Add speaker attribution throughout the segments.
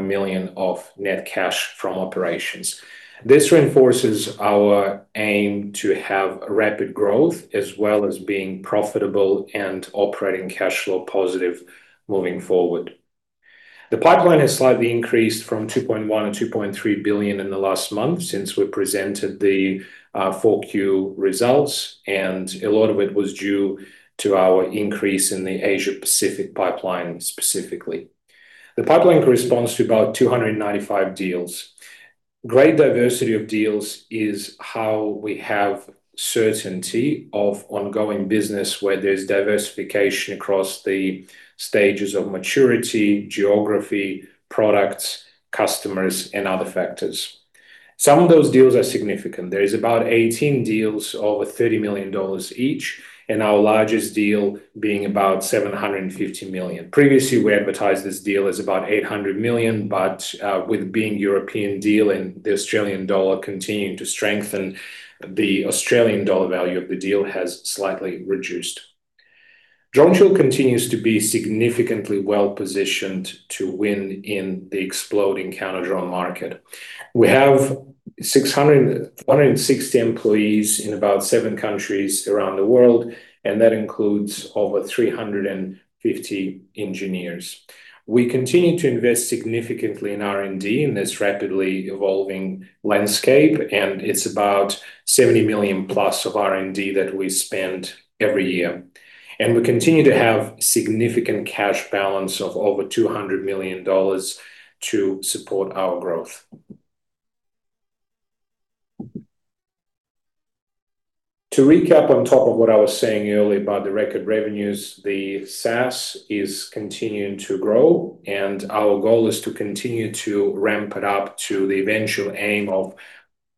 Speaker 1: 9 million of net cash from operations. This reinforces our aim to have rapid growth, as well as being profitable and operating cash flow positive moving forward. The pipeline has slightly increased from 2.1 billion-2.3 billion in the last month since we presented the 4Q results. A lot of it was due to our increase in the Asia Pacific pipeline, specifically. The pipeline corresponds to about 295 deals. Great diversity of deals is how we have certainty of ongoing business, where there's diversification across the stages of maturity, geography, products, customers, and other factors. Some of those deals are significant. There is about 18 deals over 30 million dollars each. Our largest deal being about 750 million. Previously, we advertised this deal as about 800 million. With it being a European deal and the Australian dollar continuing to strengthen, the Australian dollar value of the deal has slightly reduced. DroneShield continues to be significantly well-positioned to win in the exploding counter drone market. We have 160 employees in about seven countries around the world, and that includes over 350 engineers. We continue to invest significantly in R&D in this rapidly evolving landscape, and it's about 70 million+ of R&D that we spend every year. We continue to have significant cash balance of over 200 million dollars to support our growth. To recap, on top of what I was saying earlier about the record revenues, the SaaS is continuing to grow. Our goal is to continue to ramp it up to the eventual aim of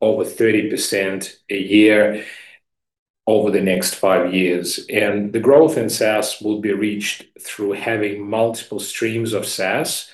Speaker 1: over 30% a year over the next five years. The growth in SaaS will be reached through having multiple streams of SaaS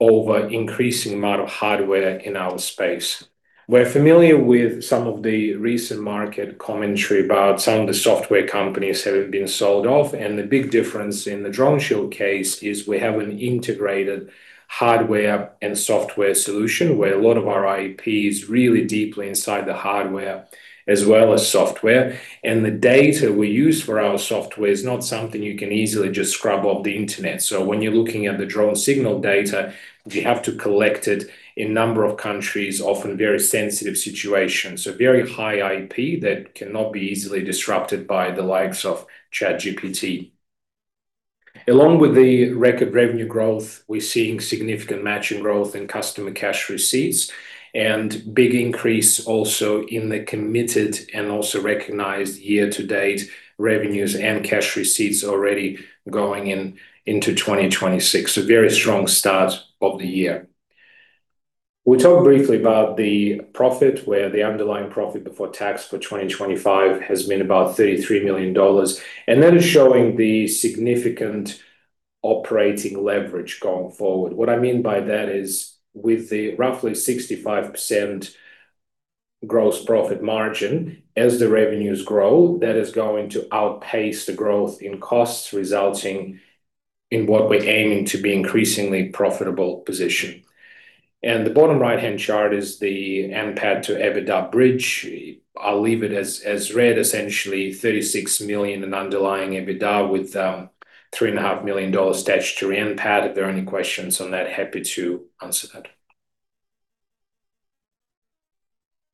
Speaker 1: over increasing amount of hardware in our space. We're familiar with some of the recent market commentary about some of the software companies that have been sold off. The big difference in the DroneShield case is we have an integrated hardware and software solution, where a lot of our IP is really deeply inside the hardware as well as software. The data we use for our software is not something you can easily just scrub off the internet. When you're looking at the drone signal data, you have to collect it in a number of countries, often very sensitive situations. Very high IP that cannot be easily disrupted by the likes of ChatGPT. Along with the record revenue growth, we're seeing significant matching growth in customer cash receipts and big increase also in the committed and also recognized year-to-date revenues and cash receipts already going into 2026. A very strong start of the year. We talked briefly about the profit, where the underlying profit before tax for 2025 has been about 33 million dollars, and that is showing the significant operating leverage going forward. What I mean by that is with the roughly 65% gross profit margin, as the revenues grow, that is going to outpace the growth in costs, resulting in what we're aiming to be increasingly profitable position. The bottom right-hand chart is the NPAT to EBITDA bridge. I'll leave it as read, essentially 36 million in underlying EBITDA, with 3.5 million dollars statutory NPAT. If there are any questions on that, happy to answer that.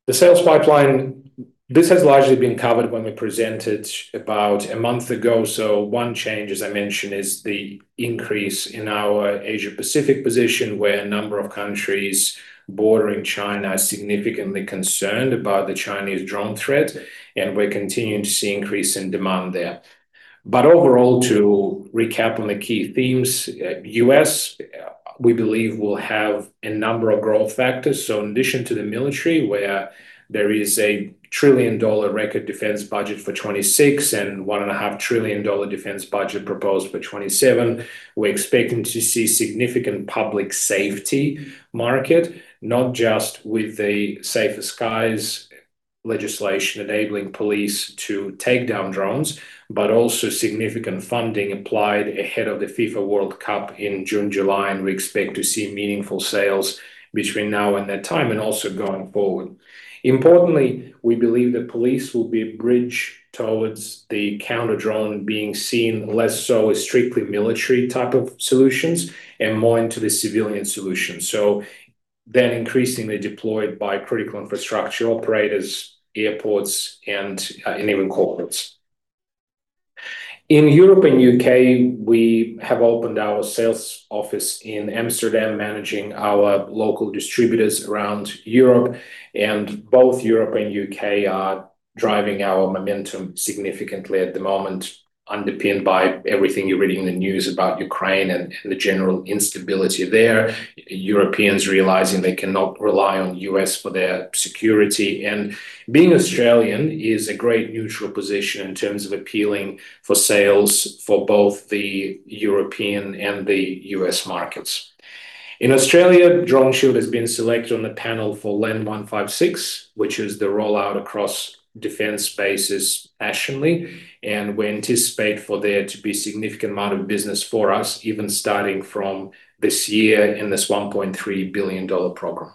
Speaker 1: The sales pipeline, this has largely been covered when we presented about a month ago. One change, as I mentioned, is the increase in our Asia Pacific position, where a number of countries bordering China are significantly concerned about the Chinese drone threat, and we're continuing to see increase in demand there. Overall, to recap on the key themes, U.S., we believe, will have a number of growth factors. In addition to the military, where there is a $1 trillion record defense budget for 2026 and a $1.5 trillion defense budget proposed for 2027, we're expecting to see significant public safety market, not just with the Safer Skies Act enabling police to take down drones, but also significant funding applied ahead of the FIFA World Cup in June, July, and we expect to see meaningful sales between now and that time, and also going forward. Importantly, we believe the police will be a bridge towards the counter-drone being seen less so as strictly military type of solutions and more into the civilian solution. Then increasingly deployed by critical infrastructure operators, airports, and even corporates. In Europe and U.K., we have opened our sales office in Amsterdam, managing our local distributors around Europe. Both Europe and U.K. are driving our momentum significantly at the moment, underpinned by everything you're reading in the news about Ukraine and the general instability there. Europeans realizing they cannot rely on U.S. for their security. Being Australian is a great neutral position in terms of appealing for sales for both the European and the U.S. markets. In Australia, DroneShield has been selected on the panel for LAND 156, which is the rollout across defense bases nationally, and we anticipate for there to be significant amount of business for us, even starting from this year in this 1.3 billion dollar program.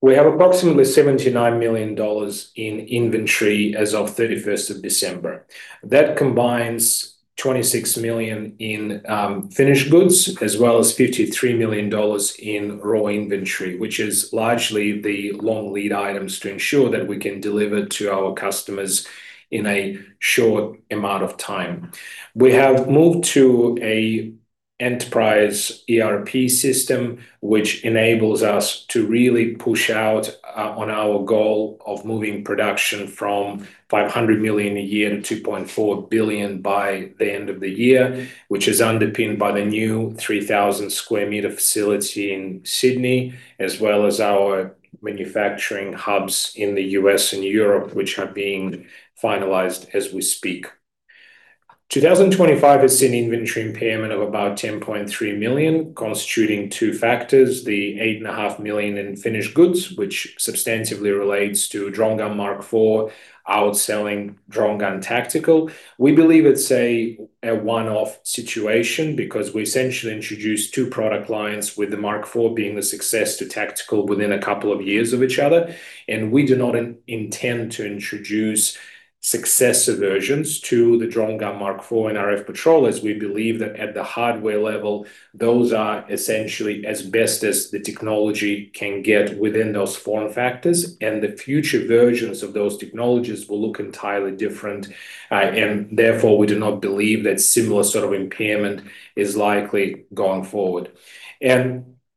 Speaker 1: We have approximately 79 million dollars in inventory as of 31st of December. That combines $26 million in finished goods, as well as $53 million in raw inventory, which is largely the long lead items to ensure that we can deliver to our customers in a short amount of time. We have moved to a enterprise ERP system, which enables us to really push out on our goal of moving production from $500 million a year to $2.4 billion by the end of the year, which is underpinned by the new 3,000 square meter facility in Sydney, as well as our manufacturing hubs in the U.S. and Europe, which are being finalized as we speak. 2025 has seen inventory impairment of about $10.3 million, constituting two factors: the $8.5 million in finished goods, which substantively relates to DroneGun Mk4, outselling DroneGun Tactical. We believe it's a one-off situation because we essentially introduced two product lines, with the Mark Four being the success to Tactical within a couple of years of each other, and we do not intend to introduce successive versions to the DroneGun Mk4 and RfPatrol, as we believe that at the hardware level, those are essentially as best as the technology can get within those form factors, and the future versions of those technologies will look entirely different. Therefore, we do not believe that similar sort of impairment is likely going forward.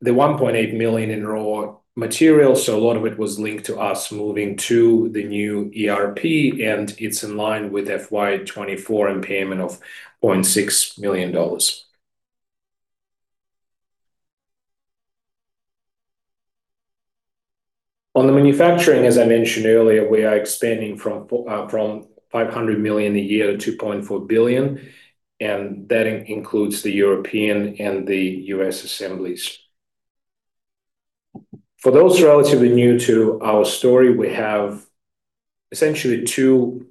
Speaker 1: The 1.8 million in raw materials, so a lot of it was linked to us moving to the new ERP, and it's in line with FY 2024 impairment of AUD 0.6 million. On the manufacturing, as I mentioned earlier, we are expanding from 500 million a year to 2.4 billion, and that includes the European and the U.S. assemblies. For those relatively new to our story, we have essentially two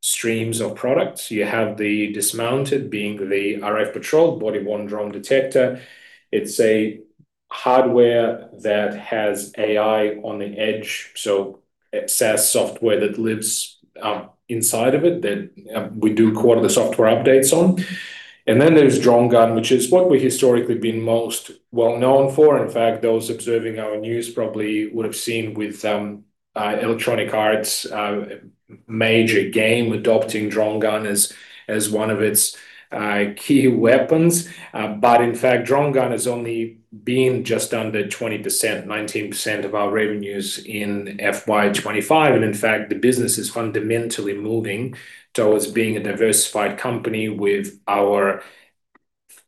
Speaker 1: streams of products. You have the dismounted, being the RfPatrol body-worn drone detector. It's a hardware that has AI on the edge, so it has software that lives inside of it, that we do quarter the software updates on. There's DroneGun, which is what we've historically been most well known for. In fact, those observing our news probably would have seen with Electronic Arts, major game adopting DroneGun as one of its key weapons. In fact, DroneGun has only been just under 20%, 19% of our revenues in FY 2025. In fact, the business is fundamentally moving towards being a diversified company with our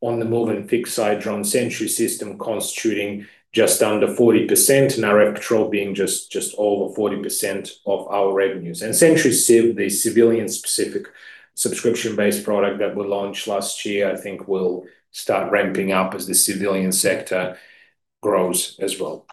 Speaker 1: on the move and fixed site DroneSentry system constituting just under 40%, and our RfPatrol being just over 40% of our revenues. SentryCiv, the civilian-specific subscription-based product that we launched last year, I think will start ramping up as the civilian sector grows as well.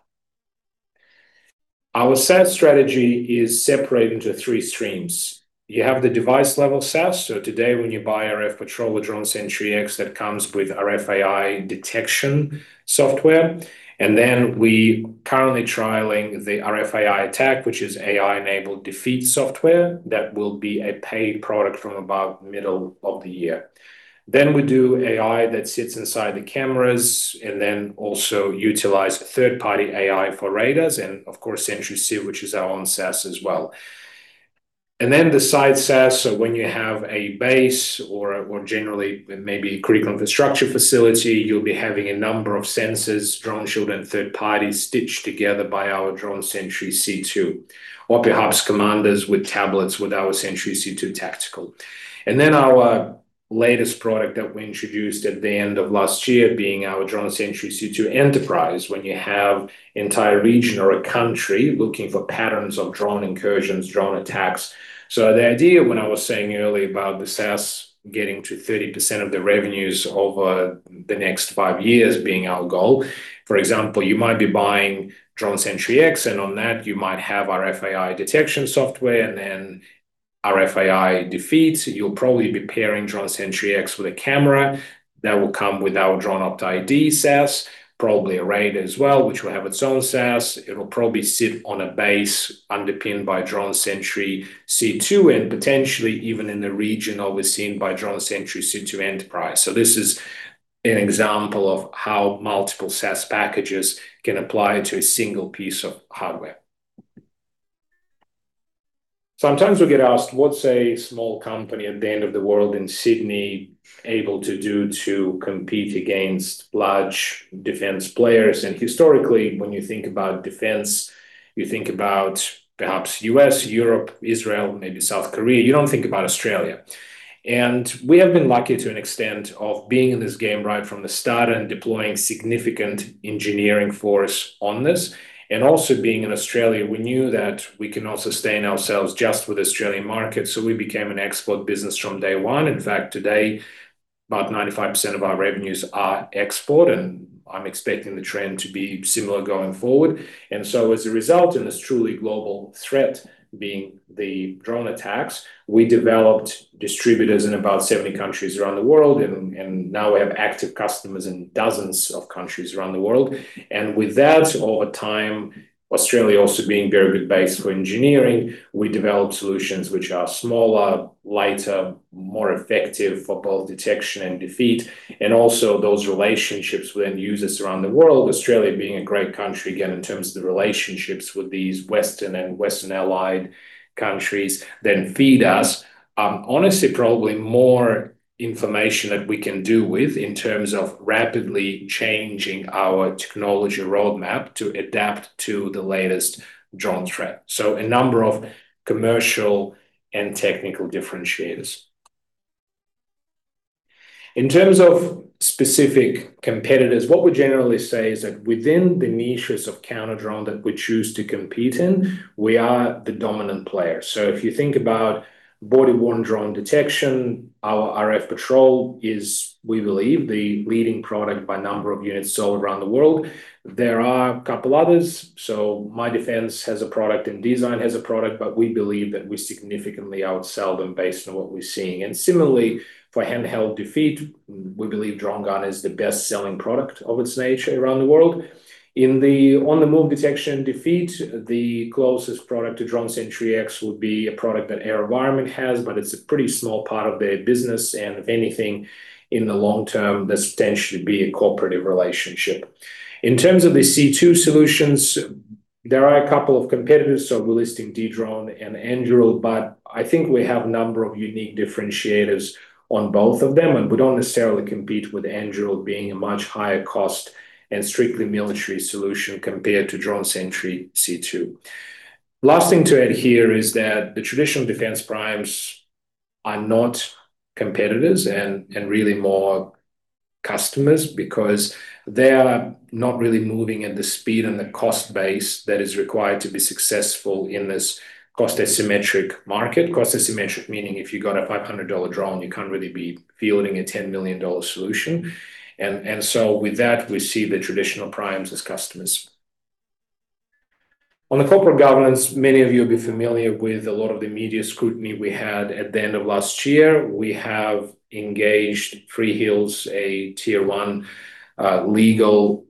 Speaker 1: Our sales strategy is separated into three streams. You have the device-level SaaS. Today, when you buy RfPatrol or DroneSentry-X, that comes with RFAI detection software, and then we currently trialing the RFAI-ATK, which is AI-enabled defeat software. That will be a paid product from about middle of the year. We do AI that sits inside the cameras, and also utilize third-party AI for radars, and of course, SentryCiv, which is our own SaaS as well. The side SaaS, so when you have a base or generally maybe critical infrastructure facility, you'll be having a number of sensors, DroneShield, and third parties stitched together by our DroneSentry-C2, or perhaps commanders with tablets with our DroneSentry-C2 Tactical. Our latest product that we introduced at the end of last year being our DroneSentry-C2 Enterprise, when you have entire region or a country looking for patterns of drone incursions, drone attacks. The idea when I was saying earlier about the SaaS getting to 30% of the revenues over the next five years being our goal, for example, you might be buying DroneSentry-X, and on that, you might have RFAI detection software and then RFAI defeats. You'll probably be pairing DroneSentry-X with a camera that will come with our DroneOptID SaaS, probably a radar as well, which will have its own SaaS. It'll probably sit on a base underpinned by DroneSentry-C2, and potentially even in the regional, we're seen by DroneSentry-C2 Enterprise. This is an example of how multiple SaaS packages can apply to a single piece of hardware. Sometimes we get asked: What's a small company at the end of the world in Sydney able to do to compete against large defense players? Historically, when you think about defense, you think about perhaps U.S., Europe, Israel, maybe South Korea. You don't think about Australia. We have been lucky to an extent of being in this game right from the start and deploying significant engineering force on this. Also being in Australia, we knew that we cannot sustain ourselves just with Australian market, so we became an export business from day one. In fact, today, about 95% of our revenues are export, and I'm expecting the trend to be similar going forward. As a result, and this truly global threat being the drone attacks, we developed distributors in about 70 countries around the world, and now we have active customers in dozens of countries around the world. With that, over time, Australia also being a very good base for engineering, we developed solutions which are smaller, lighter, more effective for both detection and defeat. Also those relationships with end users around the world, Australia being a great country, again, in terms of the relationships with these Western and Western allied countries, then feed us, honestly, probably more information that we can do with in terms of rapidly changing our technology roadmap to adapt to the latest drone threat. A number of commercial and technical differentiators. In terms of specific competitors, what we generally say is that within the niches of counter-drone that we choose to compete in, we are the dominant player. If you think about body-worn drone detection, our RfPatrol is, we believe, the leading product by number of units sold around the world. There are a couple others. MyDefence has a product, Design has a product, but we believe that we significantly outsell them based on what we're seeing. Similarly, for handheld defeat, we believe DroneGun is the best-selling product of its nature around the world. In the on-the-move detection and defeat, the closest product to DroneSentry-X would be a product that AeroVironment has, but it's a pretty small part of their business, and if anything, in the long term, this potentially be a cooperative relationship. In terms of the C2 solutions, there are two competitors, so we're listing Dedrone and Anduril, but I think we have a number of unique differentiators on both of them, and we don't necessarily compete with Anduril being a much higher cost and strictly military solution compared to DroneSentry-C2. Last thing to add here is that the traditional defense primes are not competitors and really more customers because they are not really moving at the speed and the cost base that is required to be successful in this cost asymmetric market. Cost asymmetric, meaning if you've got a $500 drone, you can't really be fielding a $10 million solution. So with that, we see the traditional primes as customers. On the corporate governance, many of you will be familiar with a lot of the media scrutiny we had at the end of last year. We have engaged Freehills, a tier one legal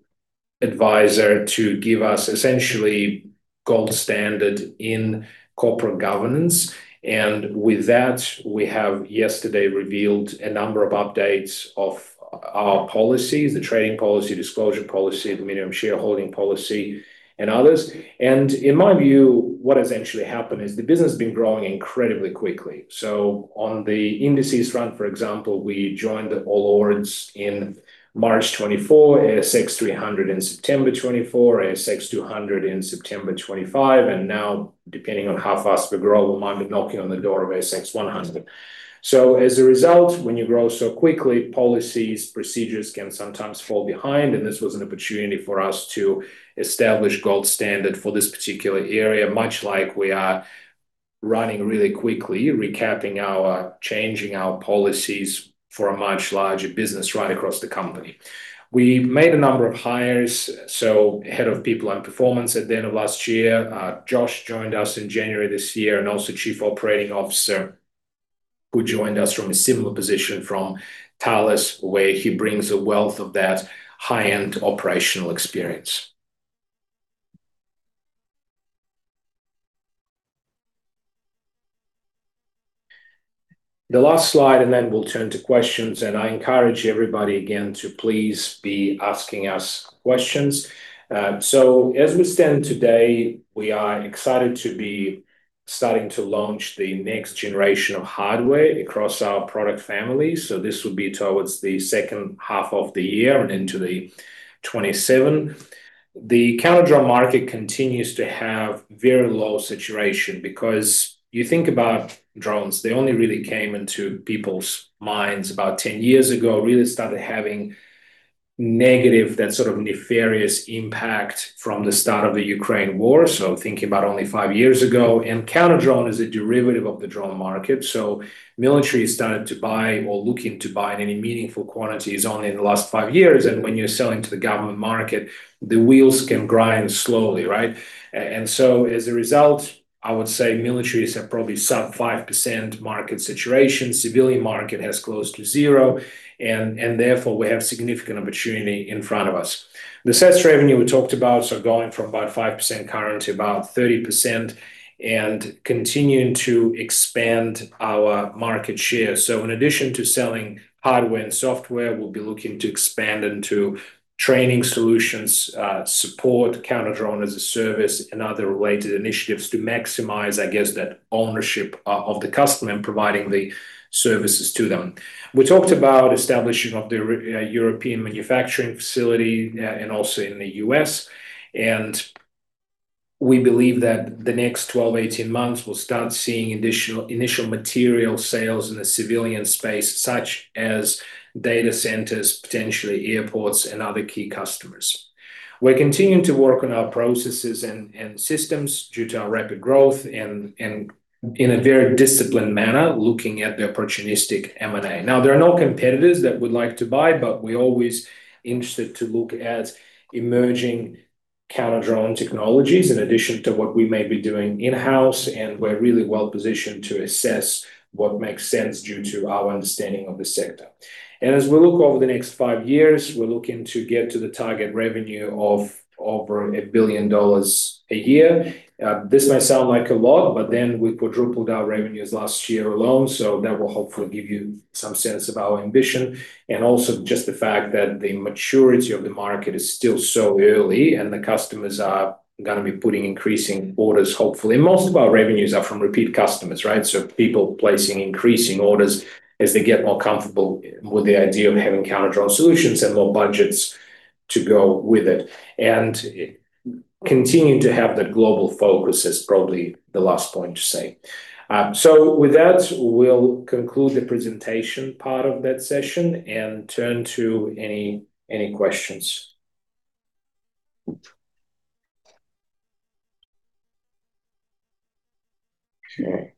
Speaker 1: advisor, to give us essentially gold standard in corporate governance. With that, we have yesterday revealed a number of updates of our policies, the trading policy, disclosure policy, the minimum shareholding policy, and others. In my view, what has actually happened is the business has been growing incredibly quickly. On the indices front, for example, we joined the All Ords in March 2024, ASX 300 in September 2024, ASX 200 in September 2025, and now, depending on how fast we grow, we might be knocking on the door of ASX 100. As a result, when you grow so quickly, policies, procedures can sometimes fall behind, and this was an opportunity for us to establish gold standard for this particular area, much like we are running really quickly, changing our policies for a much larger business right across the company. We made a number of hires, so Head of People and Performance at the end of last year. Josh joined us in January this year, and also Chief Operating Officer, who joined us from a similar position from Thales, where he brings a wealth of that high-end operational experience. The last slide, then we'll turn to questions, and I encourage everybody again to please be asking us questions. As we stand today, we are excited to be starting to launch the next generation of hardware across our product family, so this will be towards the second half of the year and into 2027. The counter-drone market continues to have very low saturation because you think about drones, they only really came into people's minds about 10 years ago, really started having negative, that sort of nefarious impact from the start of the Ukraine War. Thinking about only five years ago, and counter-drone is a derivative of the drone market, military started to buy or looking to buy in any meaningful quantities only in the last five years, and when you're selling to the government market, the wheels can grind slowly, right? As a result, I would say militaries have probably sub 5% market saturation, civilian market has close to zero, and therefore, we have significant opportunity in front of us. The SaaS revenue we talked about are going from about 5% current to about 30% and continuing to expand our market share. In addition to selling hardware and software, we'll be looking to expand into training solutions, support, counter-drone as a service, and other related initiatives to maximize, I guess, that ownership of the customer and providing the services to them. We talked about establishing of the European manufacturing facility, and also in the U.S., and we believe that the next 12 to 18 months, we'll start seeing additional initial material sales in the civilian space, such as data centers, potentially airports, and other key customers. We're continuing to work on our processes and systems due to our rapid growth and in a very disciplined manner, looking at the opportunistic M&A. Now, there are no competitors that would like to buy, but we're always interested to look at counter-drone technologies, in addition to what we may be doing in-house, and we're really well-positioned to assess what makes sense due to our understanding of the sector. As we look over the next five years, we're looking to get to the target revenue of over $1 billion a year. This may sound like a lot, we quadrupled our revenues last year alone, so that will hopefully give you some sense of our ambition. Also, just the fact that the maturity of the market is still so early, the customers are gonna be putting increasing orders, hopefully. Most of our revenues are from repeat customers, right? People placing increasing orders as they get more comfortable with the idea of having counter-drone solutions and more budgets to go with it. Continuing to have that global focus is probably the last point to say. With that, we'll conclude the presentation part of that session and turn to any questions. Okay.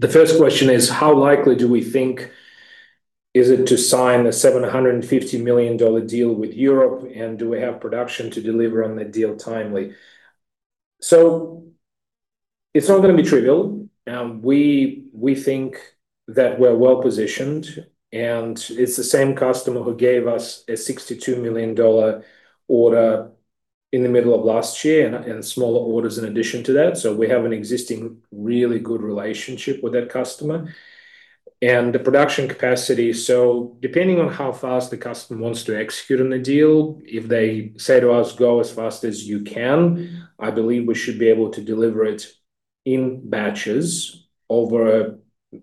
Speaker 1: The first question is: How likely do we think is it to sign a 750 million dollar deal with Europe, and do we have production to deliver on the deal timely? It's not gonna be trivial, we think that we're well-positioned, and it's the same customer who gave us a 62 million dollar order in the middle of last year, and smaller orders in addition to that. We have an existing, really good relationship with that customer. The production capacity, depending on how fast the customer wants to execute on the deal, if they say to us, "Go as fast as you can," I believe we should be able to deliver it in batches over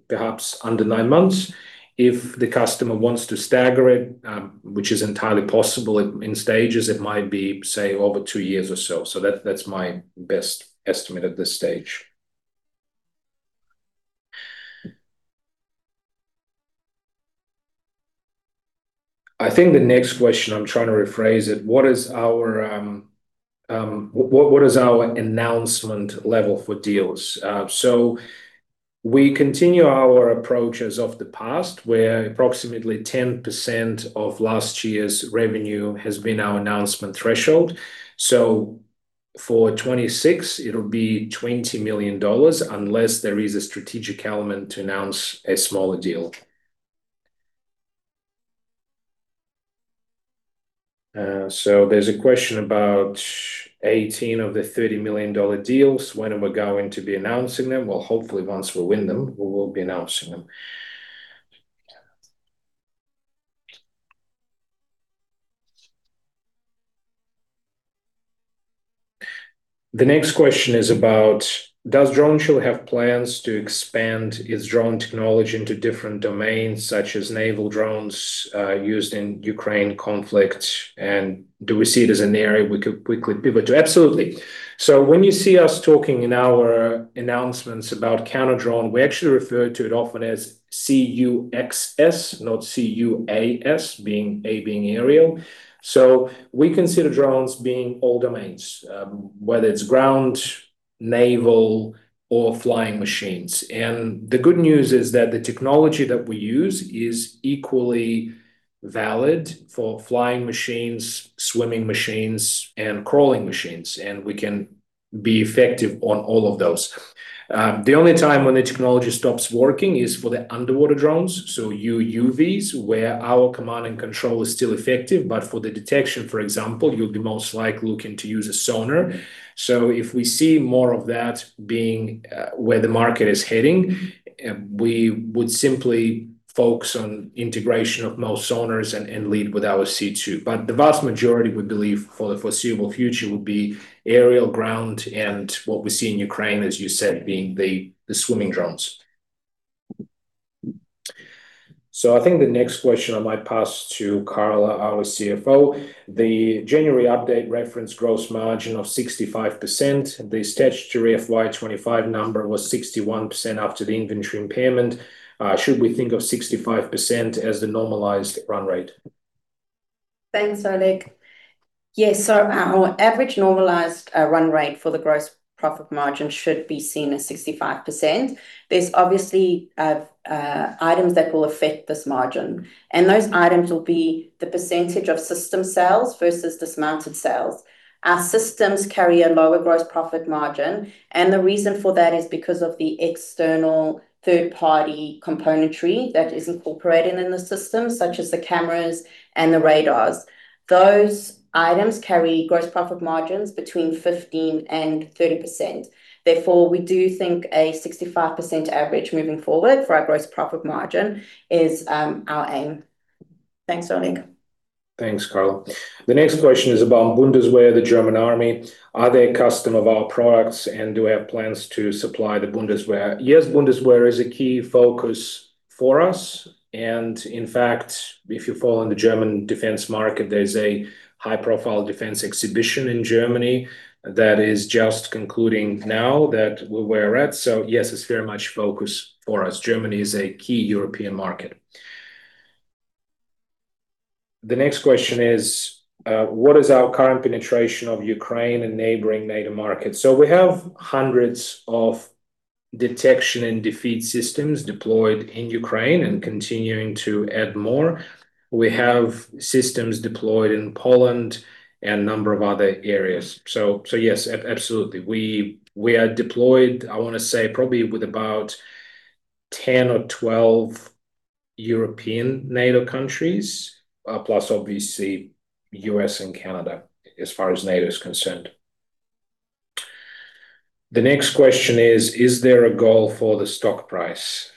Speaker 1: perhaps under nine months. If the customer wants to stagger it, which is entirely possible, in stages, it might be, say, over two years or so. That's my best estimate at this stage. I think the next question, I'm trying to rephrase it: What is our announcement level for deals? We continue our approach as of the past, where approximately 10% of last year's revenue has been our announcement threshold. For 2026, it'll be 20 million dollars, unless there is a strategic element to announce a smaller deal. There's a question about 18 of the 30 million dollar deals. When are we going to be announcing them? Well, hopefully, once we win them, we will be announcing them. The next question is about: Does DroneShield have plans to expand its drone technology into different domains, such as naval drones, used in Ukraine conflict? Do we see it as an area we could pivot to? Absolutely. When you see us talking in our announcements about counter-drone, we actually refer to it often as C-UxS, not C-UAS, A being aerial. We consider drones being all domains, whether it's ground, naval, or flying machines. The good news is that the technology that we use is equally valid for flying machines, swimming machines, and crawling machines, and we can be effective on all of those. The only time when the technology stops working is for the underwater drones, so UUVs, where our command and control is still effective, but for the detection, for example, you'll be most likely looking to use a sonar. If we see more of that being where the market is heading, we would simply focus on integration of most sonars and lead with our C2. The vast majority, we believe, for the foreseeable future, will be aerial, ground, and what we see in Ukraine, as you said, being the swimming drones. I think the next question I might pass to Carla, our CFO. The January update referenced gross margin of 65%. The statutory FY 2025 number was 61% after the inventory impairment. Should we think of 65% as the normalized run rate?
Speaker 2: Thanks, Oleg. Yes, our average normalized run rate for the gross profit margin should be seen as 65%. There's obviously items that will affect this margin. Those items will be the percentage of system sales versus dismounted sales. Our systems carry a lower gross profit margin. The reason for that is because of the external third-party componentry that is incorporated in the system, such as the cameras and the radars. Those items carry gross profit margins between 15% and 30%. Therefore, we do think a 65% average moving forward for our gross profit margin is our aim. Thanks, Oleg.
Speaker 1: Thanks, Carla. The next question is about Bundeswehr, the German Army. Are they a customer of our products, and do we have plans to supply the Bundeswehr? Yes, Bundeswehr is a key focus for us, and in fact, if you follow the German defense market, there's a high-profile defense exhibition in Germany that is just concluding now that we're at. Yes, it's very much focus for us. Germany is a key European market. The next question is, what is our current penetration of Ukraine and neighboring NATO markets? We have hundreds of detection and defeat systems deployed in Ukraine and continuing to add more. We have systems deployed in Poland and a number of other areas. Yes, absolutely, we are deployed, I wanna say probably with about 10 or 12 European NATO countries, plus obviously U.S. and Canada, as far as NATO is concerned. The next question is: Is there a goal for the stock price?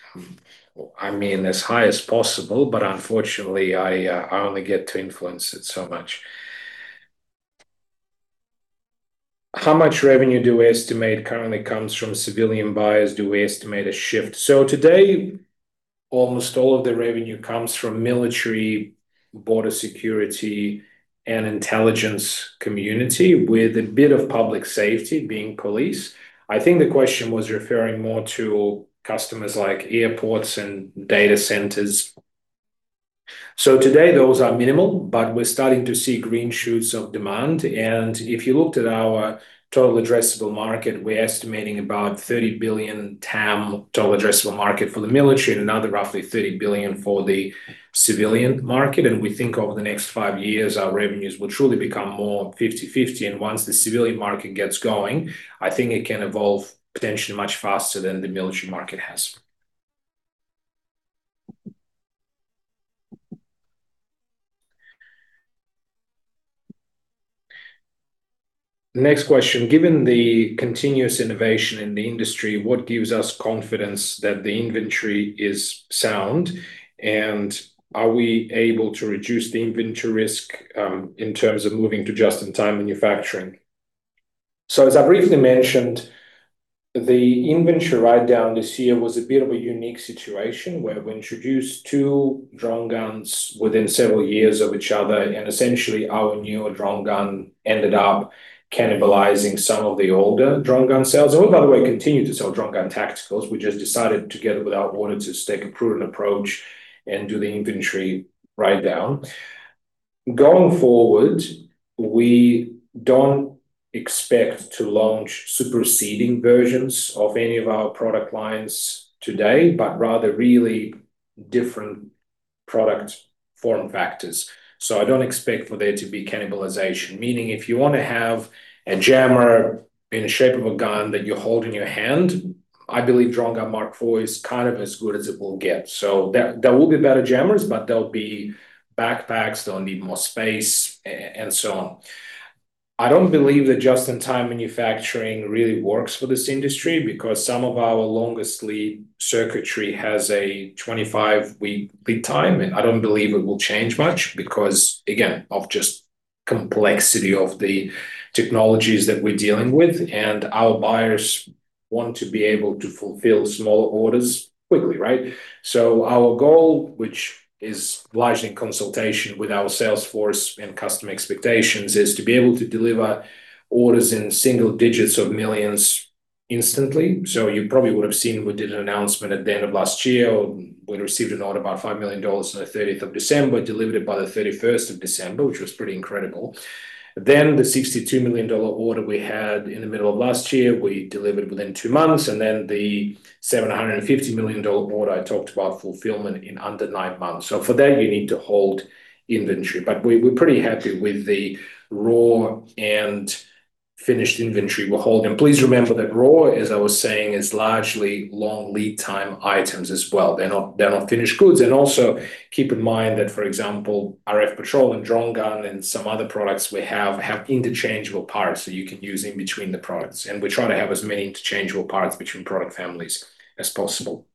Speaker 1: I mean, as high as possible, but unfortunately, I only get to influence it so much. How much revenue do we estimate currently comes from civilian buyers? Do we estimate a shift? Today, almost all of the revenue comes from military, border security, and intelligence community, with a bit of public safety being police. I think the question was referring more to customers like airports and data centers. Today those are minimal, but we're starting to see green shoots of demand, and if you looked at our total addressable market, we're estimating about 30 billion TAM, total addressable market, for the military and another roughly 30 billion for the civilian market. We think over the next five years, our revenues will truly become more 50/50, and once the civilian market gets going, I think it can evolve potentially much faster than the military market has. Next question: Given the continuous innovation in the industry, what gives us confidence that the inventory is sound, and are we able to reduce the inventory risk in terms of moving to just-in-time manufacturing? As I briefly mentioned, the inventory write-down this year was a bit of a unique situation, where we introduced 2 DroneGuns within several years of each other, and essentially, our newer DroneGun ended up cannibalizing some of the older DroneGun sales. By the way, we continue to sell DroneGun Tacticals. We just decided, together with our auditors, to take a prudent approach and do the inventory write-down. Going forward, we don't expect to launch superseding versions of any of our product lines today, but rather really different product form factors. I don't expect for there to be cannibalization, meaning if you wanna have a jammer in the shape of a gun that you hold in your hand, I believe DroneGun Mk4 is kind of as good as it will get. There will be better jammers, but they'll be backpacks, they'll need more space, and so on. I don't believe that just-in-time manufacturing really works for this industry because some of our longest lead circuitry has a 25-week lead time, and I don't believe it will change much because, again, of just complexity of the technologies that we're dealing with, and our buyers want to be able to fulfill small orders quickly, right? Our goal, which is largely in consultation with our sales force and customer expectations, is to be able to deliver orders in single digits of millions instantly. You probably would have seen we did an announcement at the end of last year. We received an order about 5 million dollars on the 30th of December, delivered it by the 31st of December, which was pretty incredible. The $62 million order we had in the middle of last year, we delivered within two months, and then the $750 million order I talked about, fulfillment in under nine months. For that, you need to hold inventory, but we're pretty happy with the raw and finished inventory we're holding. Please remember that raw, as I was saying, is largely long lead time items as well. They're not finished goods. Also, keep in mind that, for example, RfPatrol and DroneGun and some other products we have interchangeable parts, so you can use in between the products, and we're trying to have as many interchangeable parts between product families as possible.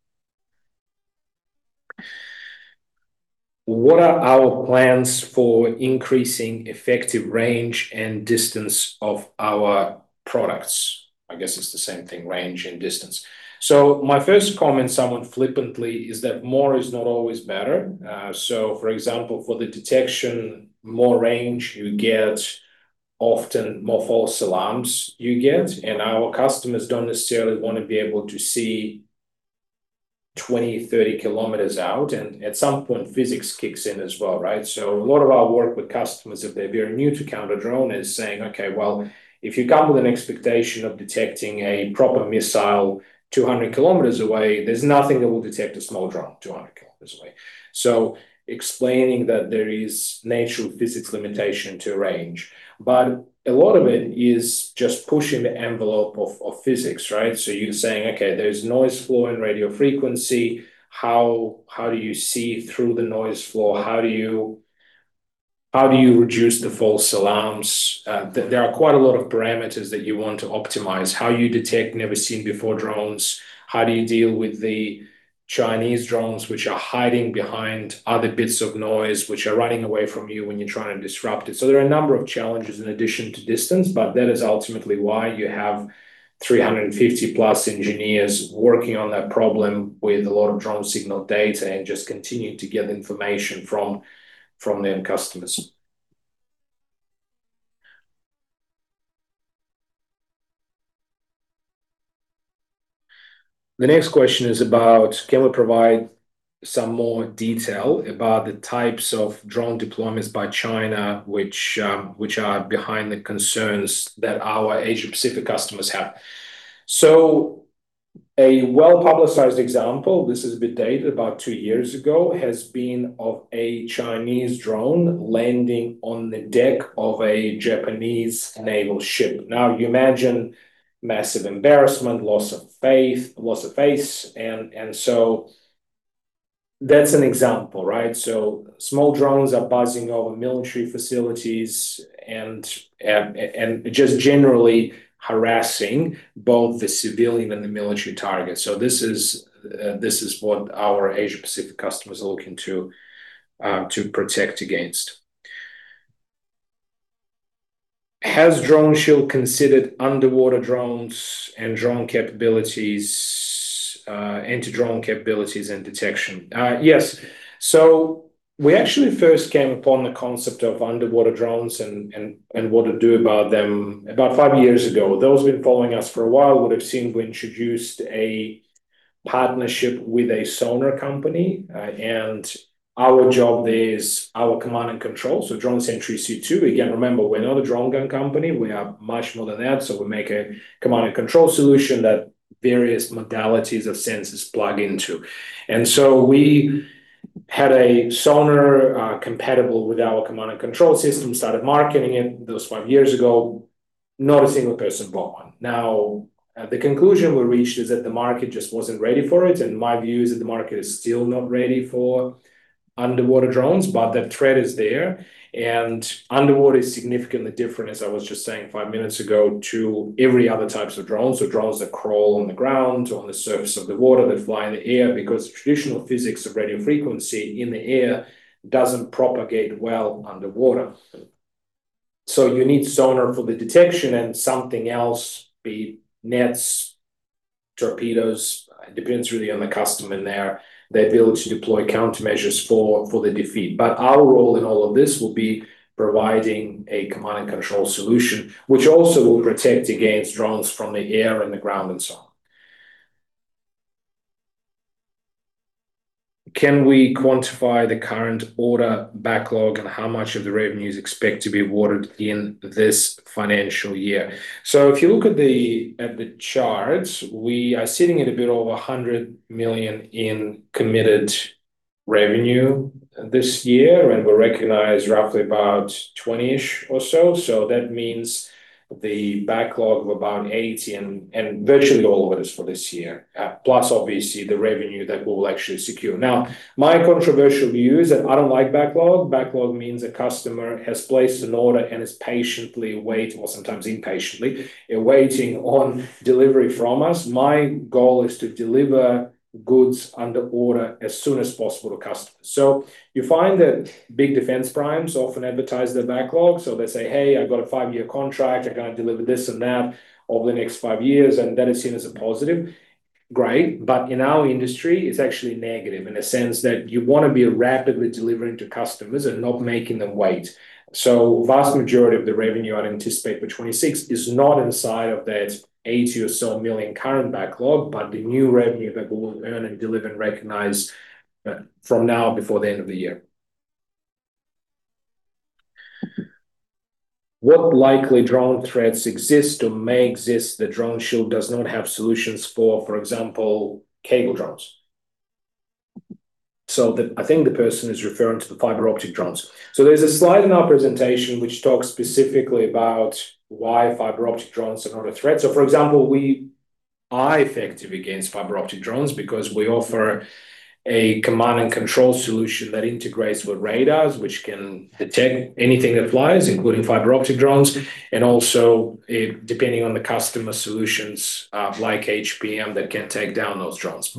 Speaker 1: What are our plans for increasing effective range and distance of our products? I guess it's the same thing, range and distance. My first comment, somewhat flippantly, is that more is not always better. For example, for the detection, more range you get, often more false alarms you get, and our customers don't necessarily wanna be able to see 20, 30 kilometers out, and at some point, physics kicks in as well, right? A lot of our work with customers, if they're very new to counter-drone, is saying, "Okay, well, if you come with an expectation of detecting a proper missile 200 kilometers away, there's nothing that will detect a small drone 200 kilometers away." Explaining that there is natural physics limitation to range, but a lot of it is just pushing the envelope of physics, right? You're saying, "Okay, there's noise floor and radio frequency. How do you see through the noise floor? How do you, how do you reduce the false alarms? There are quite a lot of parameters that you want to optimize. How you detect never-seen-before drones, how do you deal with the Chinese drones, which are hiding behind other bits of noise, which are running away from you when you're trying to disrupt it? There are a number of challenges in addition to distance, but that is ultimately why you have 350+ engineers working on that problem with a lot of drone signal data, and just continuing to get information from their customers. The next question is about: Can we provide some more detail about the types of drone deployments by China, which are behind the concerns that our Asia-Pacific customers have? A well-publicized example, this is a bit dated, about two years ago, has been of a Chinese drone landing on the deck of a Japanese naval ship. You imagine massive embarrassment, loss of face, that's an example, right? Small drones are buzzing over military facilities and just generally harassing both the civilian and the military targets. This is what our Asia-Pacific customers are looking to protect against. Has DroneShield considered underwater drones and drone capabilities, anti-drone capabilities and detection? Yes. We actually first came upon the concept of underwater drones and what to do about them about five years ago. Those who've been following us for a while would have seen we introduced a partnership with a sonar company, and our job there is our command and control. DroneSentry-C2. Again, remember, we're not a DroneGun company, we are much more than that, so we make a command and control solution that various modalities of sensors plug into. We had a sonar compatible with our command and control system, started marketing it those five years ago. Not a one person bought one. The conclusion we reached is that the market just wasn't ready for it, and my view is that the market is still not ready for underwater drones, but the threat is there. Underwater is significantly different, as I was just saying five minutes ago, to every other types of drones, so drones that crawl on the ground, or on the surface of the water, that fly in the air, because traditional physics of radio frequency in the air doesn't propagate well underwater. You need sonar for the detection and something else, be it nets, torpedoes, it depends really on the customer and their ability to deploy countermeasures for the defeat. Our role in all of this will be providing a command and control solution, which also will protect against drones from the air and the ground and so on. Can we quantify the current order backlog and how much of the revenues expect to be awarded in this financial year? If you look at the charts, we are sitting at a bit over 100 million in committed revenue this year, and we recognize roughly about 20-ish or so. That means the backlog of about 80 million and virtually all of it is for this year, plus obviously, the revenue that we will actually secure. Now, my controversial view is that I don't like backlog. Backlog means a customer has placed an order and is patiently waiting, or sometimes impatiently, waiting on delivery from us. My goal is to deliver goods under order as soon as possible to customers. You find that big defense primes often advertise their backlog. They say, "Hey, I've got a 5-year contract. I'm going to deliver this and that over the next five years," and that is seen as a positive. Great. In our industry, it's actually negative, in a sense that you wanna be rapidly delivering to customers and not making them wait. Vast majority of the revenue I'd anticipate for 2026 is not inside of that 80 million or so current backlog, but the new revenue that we will earn and deliver and recognize from now before the end of the year. What likely drone threats exist or may exist that DroneShield does not have solutions for example, cable drones? I think the person is referring to the fiber optic drones. There's a slide in our presentation which talks specifically about why fiber optic drones are not a threat. For example, we are effective against fiber optic drones because we offer a command and control solution that integrates with radars, which can detect anything that flies, including fiber optic drones, and also it, depending on the customer solutions, like HPM, that can take down those drones.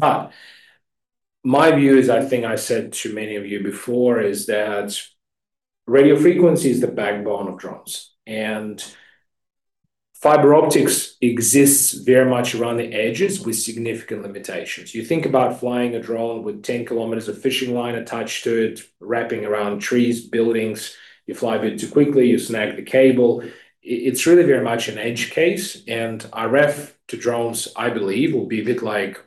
Speaker 1: My view is, I think I said to many of you before, is that radio frequency is the backbone of drones, and fiber optics exists very much around the edges with significant limitations. You think about flying a drone with 10 kilometers of fishing line attached to it, wrapping around trees, buildings. You fly a bit too quickly, you snag the cable. It's really very much an edge case, and RF to drones, I believe, will be a bit like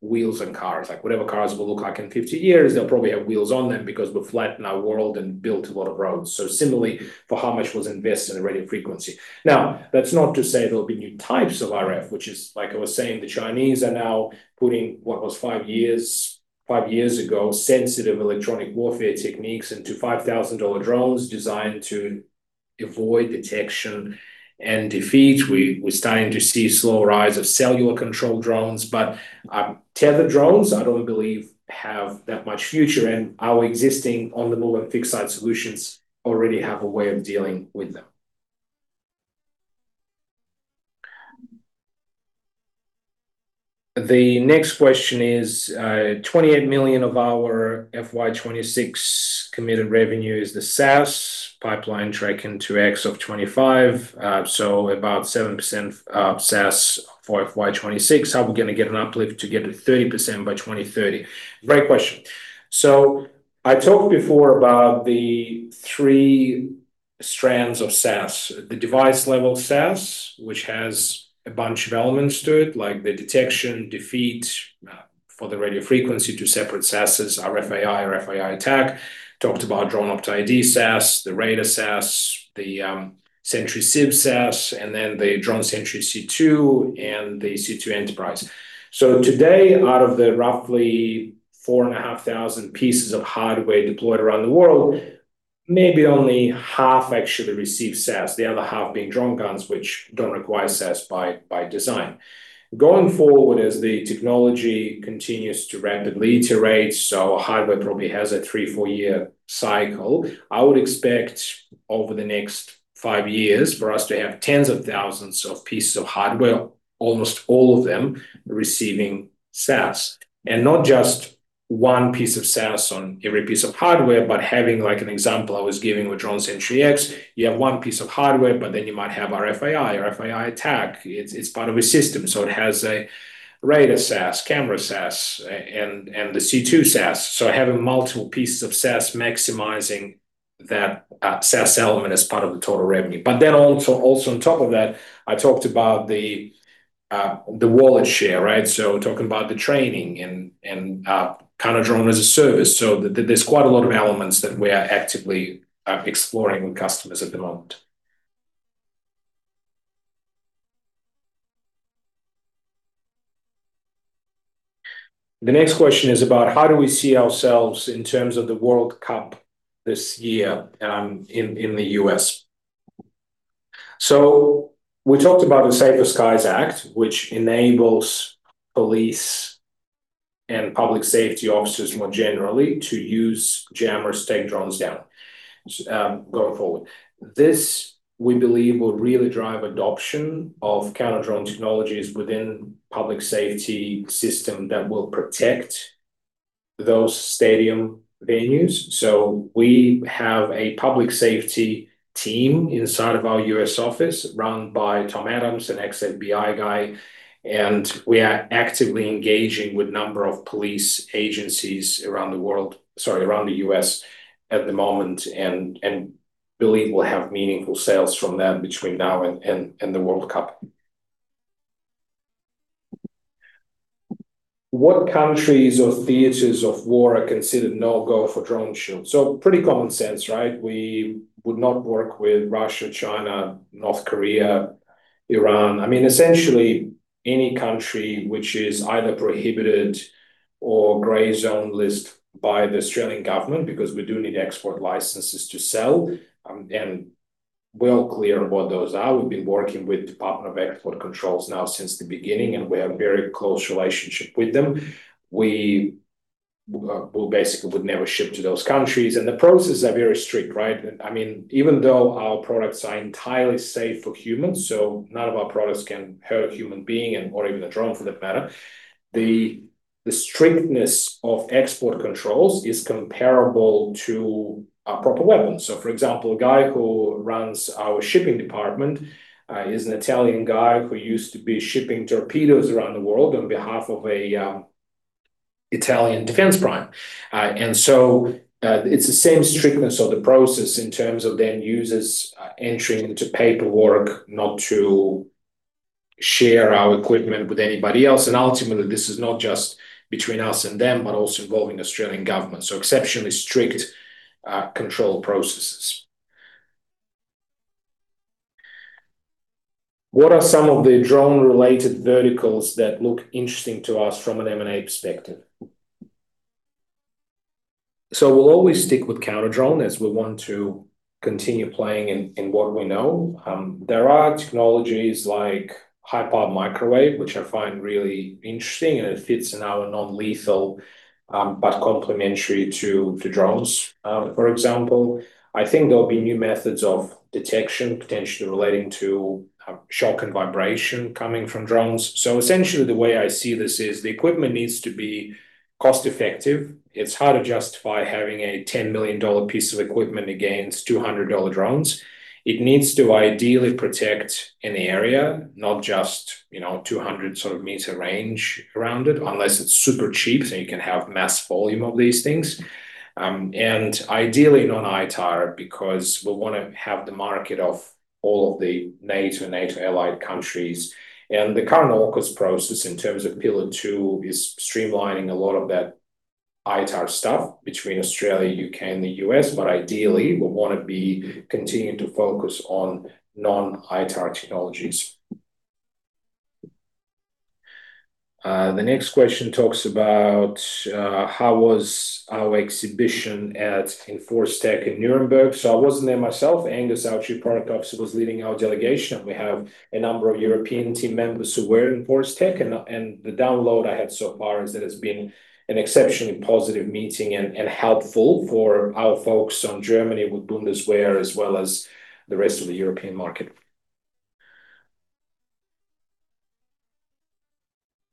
Speaker 1: wheels and cars. Like, whatever cars will look like in 50 years, they'll probably have wheels on them because we've flattened our world and built a lot of roads. Similarly for how much was invested in a radio frequency. Now, that's not to say there will be new types of RF, which is, like I was saying, the Chinese are now putting what was five years ago, sensitive electronic warfare techniques into $5,000 drones designed to avoid detection and defeat. We're starting to see a slow rise of cellular controlled drones. Tethered drones, I don't believe have that much future, and our existing on-the-move and fixed-site solutions already have a way of dealing with them. The next question is, 28 million of our FY 2026 committed revenue is the SaaS pipeline tracking to X of 25. About 7% of SaaS for FY 2026. How are we gonna get an uplift to get to 30% by 2030? Great question. I talked before about the three strands of SaaS. The device-level SaaS, which has a bunch of elements to it, like the detection, defeat for the radio frequency to separate SaaS, RFAI-ATK. Talked about DroneOptID SaaS, the Radar SaaS, the SentryCiv SaaS, and then the DroneSentry-C2, and the C2 Enterprise. Today, out of the roughly 4,500 pieces of hardware deployed around the world, maybe only half actually receive SaaS, the other half being DroneGuns, which don't require SaaS by design. Going forward, as the technology continues to rapidly iterate, so hardware probably has a three, four year cycle, I would expect over the next five years for us to have tens of thousands of pieces of hardware, almost all of them receiving SaaS. Not just one piece of SaaS on every piece of hardware, but having, like an example I was giving with DroneSentry-X, you have one piece of hardware, but then you might have RFAI-ATK. It's part of a system, so it has a Radar SaaS, Camera SaaS, and the C2 SaaS. Having multiple pieces of SaaS maximizing that SaaS element as part of the total revenue. Also on top of that, I talked about the wallet share, right? Talking about the training and counter drone as a service. There's quite a lot of elements that we are actively exploring with customers at the moment. The next question is about: How do we see ourselves in terms of the World Cup this year in the U.S.? We talked about the Safer Skies Act, which enables police and public safety officers more generally to use jammers to take drones down going forward. This, we believe, will really drive adoption of counter-drone technologies within public safety system that will protect those stadium venues. We have a public safety team inside of our U.S. office, run by Tom Adams, an ex-FBI guy, and we are actively engaging with a number of police agencies around the U.S. at the moment, and believe we'll have meaningful sales from them between now and the World Cup. What countries or theaters of war are considered no-go for DroneShield? Pretty common sense, right? We would not work with Russia, China, North Korea, Iran. I mean, essentially, any country which is either prohibited or gray zone list by the Australian government, because we do need export licenses to sell. Well clear of what those are. We've been working with Defence Export Controls now since the beginning, and we have a very close relationship with them. We basically would never ship to those countries, and the processes are very strict, right? I mean, even though our products are entirely safe for humans, None of our products can hurt a human being and or even a drone, for that matter, the strictness of export controls is comparable to a proper weapon. For example, a guy who runs our shipping department is an Italian guy who used to be shipping torpedoes around the world on behalf of an Italian defense prime. It's the same strictness of the process in terms of the end users entering into paperwork, not to share our equipment with anybody else. Ultimately, this is not just between us and them, but also involving Australian government. Exceptionally strict control processes. What are some of the drone-related verticals that look interesting to us from an M&A perspective? We'll always stick with counter-drone, as we want to continue playing in what we know. There are technologies like high-power microwave, which I find really interesting, and it fits in our non-lethal, but complementary to drones. For example, I think there'll be new methods of detection, potentially relating to shock and vibration coming from drones. Essentially, the way I see this is the equipment needs to be cost-effective. It's hard to justify having a 10 million dollar piece of equipment against 200 dollar drones. It needs to ideally protect an area, not just, you know, 200 meter range around it, unless it's super cheap, so you can have mass volume of these things. Ideally, non-ITAR, because we wanna have the market of all of the NATO and NATO allied countries. The current AUKUS process, in terms of Pillar Two, is streamlining a lot of that ITAR stuff between Australia, U.K., and the U.S. Ideally, we wanna be continuing to focus on non-ITAR technologies. The next question talks about how was our exhibition at Enforce Tac in Nuremberg? I wasn't there myself. Angus, our chief product officer, was leading our delegation. We have a number of European team members who were in Enforce Tac, and the download I had so far is that it's been an exceptionally positive meeting and helpful for our folks on Germany, with Bundeswehr, as well as the rest of the European market.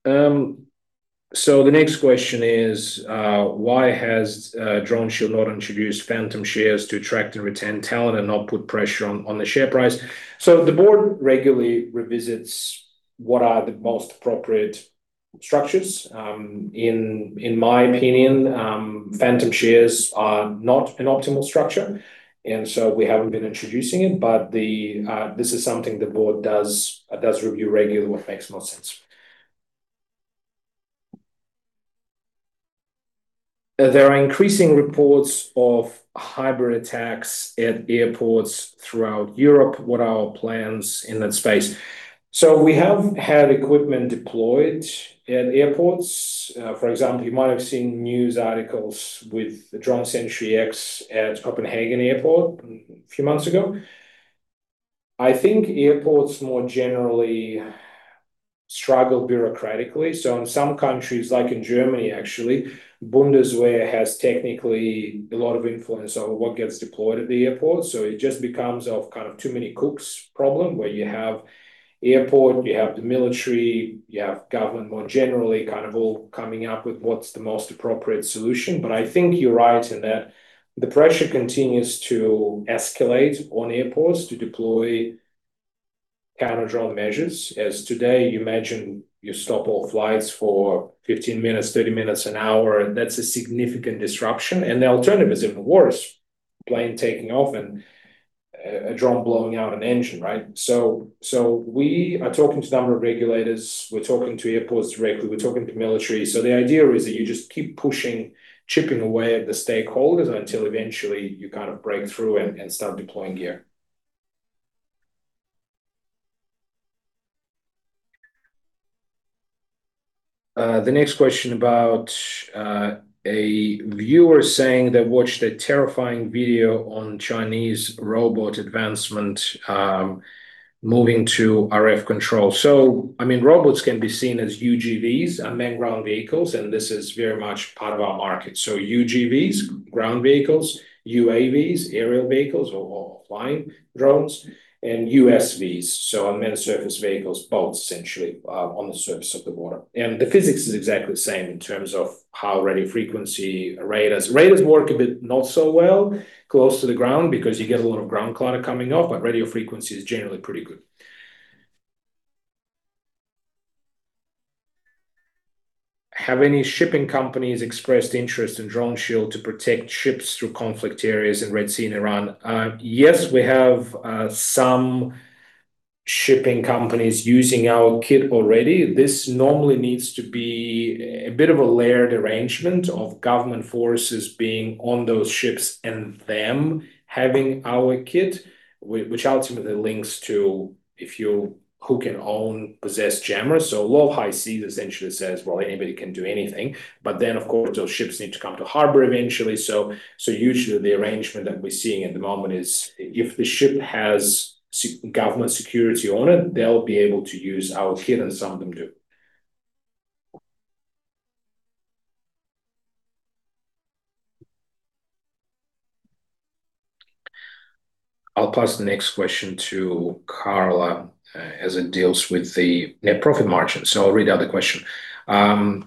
Speaker 1: The next question is why has DroneShield not introduced phantom shares to attract and retain talent and not put pressure on the share price? The board regularly revisits what are the most appropriate structures. In my opinion, phantom shares are not an optimal structure, and so we haven't been introducing it. This is something the board does review regularly what makes most sense. There are increasing reports of hybrid attacks at airports throughout Europe. What are our plans in that space? We have had equipment deployed at airports. For example, you might have seen news articles with the DroneSentry-X at Copenhagen Airport a few months ago. I think airports more generally struggle bureaucratically. In some countries, like in Germany, actually, Bundeswehr has technically a lot of influence over what gets deployed at the airport. It just becomes of kind of too many cooks problem, where you have airport, you have the military, you have government more generally, kind of all coming up with what's the most appropriate solution. I think you're right in that the pressure continues to escalate on airports to deploy counter-drone measures. As today, you imagine you stop all flights for 15 minutes, 30 minutes, one hour, and that's a significant disruption, and the alternative is even worse, plane taking off and a drone blowing out an engine, right? We are talking to a number of regulators, we're talking to airports directly, we're talking to military. The idea is that you just keep pushing, chipping away at the stakeholders until eventually you kind of break through and start deploying gear. The next question about a viewer saying they watched a terrifying video on Chinese robot advancement, moving to RF control. I mean, robots can be seen as UGVs, unmanned ground vehicles, and this is very much part of our market. UGVs, ground vehicles, UAVs, aerial vehicles or flying drones, and USVs, so unmanned surface vehicles, boats essentially, on the surface of the water. The physics is exactly the same in terms of how radio frequency Radars work a bit not so well close to the ground because you get a lot of ground clutter coming off, but radio frequency is generally pretty good. Have any shipping companies expressed interest in DroneShield to protect ships through conflict areas in Red Sea and Iran? Yes, we have some shipping companies using our kit already. This normally needs to be a bit of a layered arrangement of government forces being on those ships and them having our kit, which ultimately links to who can own, possess jammers. Law of high seas essentially says, well, anybody can do anything, but then, of course, those ships need to come to harbor eventually. Usually the arrangement that we're seeing at the moment is if the ship has government security on it, they'll be able to use our kit, and some of them do. I'll pass the next question to Carla, as it deals with the net profit margin. I'll read out the question. I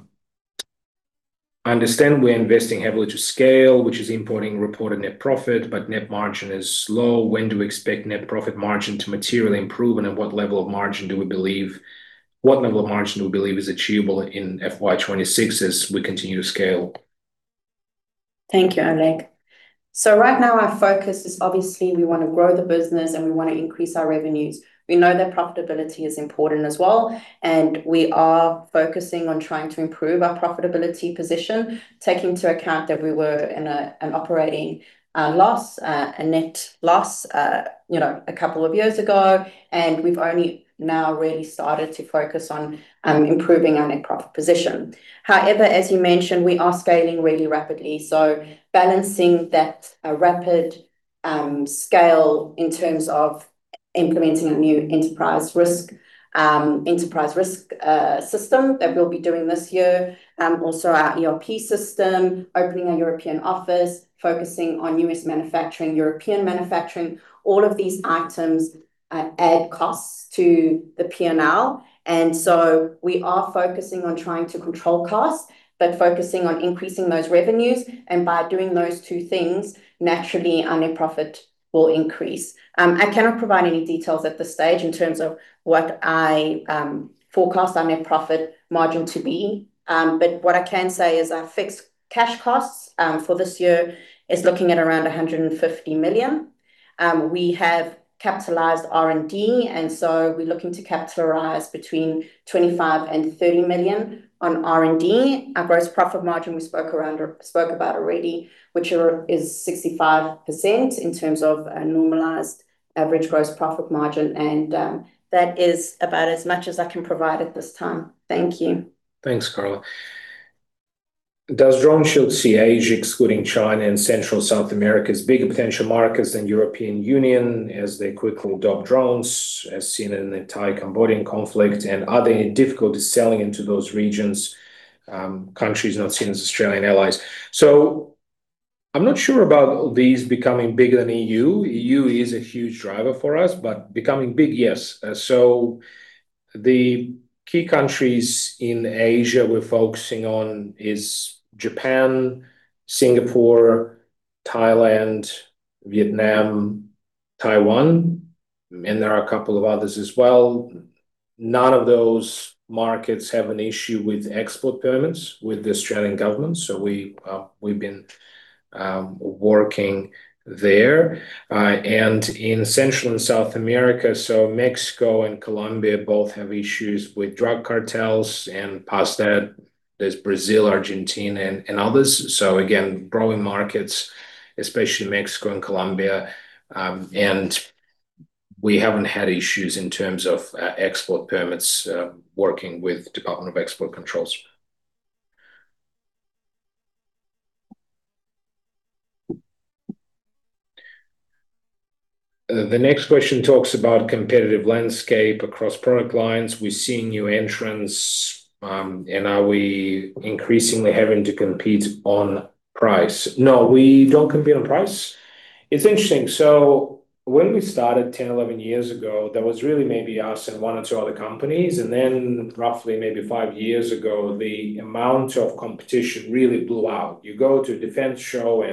Speaker 1: understand we're investing heavily to scale, which is impacting reported net profit, but net margin is low. When do we expect net profit margin to materially improve, and at what level of margin do we believe is achievable in FY 2026 as we continue to scale?
Speaker 2: Thank you, Oleg. Right now, our focus is obviously we want to grow the business, and we want to increase our revenues. We know that profitability is important as well, and we are focusing on trying to improve our profitability position, taking into account that we were in an operating loss, a net loss, you know, a couple of years ago. We've only now really started to focus on improving our net profit position. However, as you mentioned, we are scaling really rapidly, so balancing that rapid scale in terms of implementing a new enterprise risk system that we'll be doing this year. Also our ERP system, opening a European office, focusing on U.S. manufacturing, European manufacturing, all of these items add costs to the P&L. We are focusing on trying to control costs, but focusing on increasing those revenues, and by doing those two things, naturally, our net profit will increase. I cannot provide any details at this stage in terms of what I forecast our net profit margin to be. But what I can say is our fixed cash costs for this year is looking at around 150 million. We have capitalized R&D, and so we're looking to capitalize between 25 million-30 million on R&D. Our gross profit margin, we spoke about already, which are, is 65% in terms of a normalized average gross profit margin, and that is about as much as I can provide at this time. Thank you.
Speaker 1: Thanks, Carla. Does DroneShield see Asia, excluding China and Central South America, as bigger potential markets than European Union, as they quickly adopt drones, as seen in the Thai-Cambodian conflict? Are there any difficulties selling into those regions, countries not seen as Australian allies? I'm not sure about these becoming bigger than EU. EU is a huge driver for us, but becoming big, yes. The key countries in Asia we're focusing on is Japan, Singapore, Thailand, Taiwan, and there are a couple of others as well. None of those markets have an issue with export permits with the Australian government, so we've been working there. In Central and South America, Mexico and Colombia both have issues with drug cartels, and past that, there's Brazil, Argentina, and others. Again, growing markets, especially Mexico and Colombia, we haven't had issues in terms of export permits, working with Defence Export Controls. The next question talks about competitive landscape across product lines. We're seeing new entrants, are we increasingly having to compete on price? No, we don't compete on price. It's interesting, when we started 10, 11 years ago, there was really maybe us and one or two other companies, then roughly maybe five years ago, the amount of competition really blew out. You go to a defense show,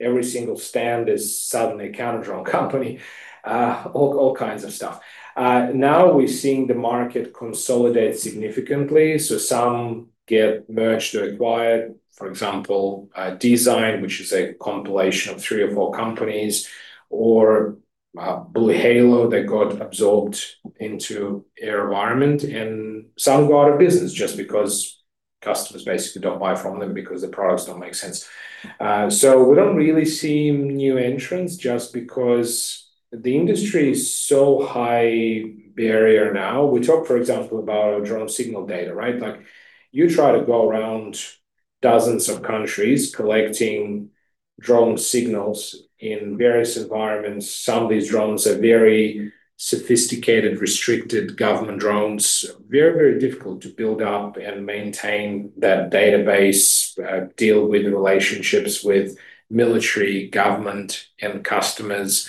Speaker 1: every single stand is suddenly a counter-drone company. All kinds of stuff. We're seeing the market consolidate significantly, so some get merged or acquired. For example, Design, which is a compilation of three or four companies, or BlueHalo, they got absorbed into AeroVironment, and some go out of business just because customers basically don't buy from them because the products don't make sense. We don't really see new entrants just because the industry is so high barrier now. We talked, for example, about drone signal data, right? Like, you try to go around dozens of countries collecting drone signals in various environments. Some of these drones are very sophisticated, restricted government drones. Very, very difficult to build up and maintain that database, deal with the relationships with military, government, and customers.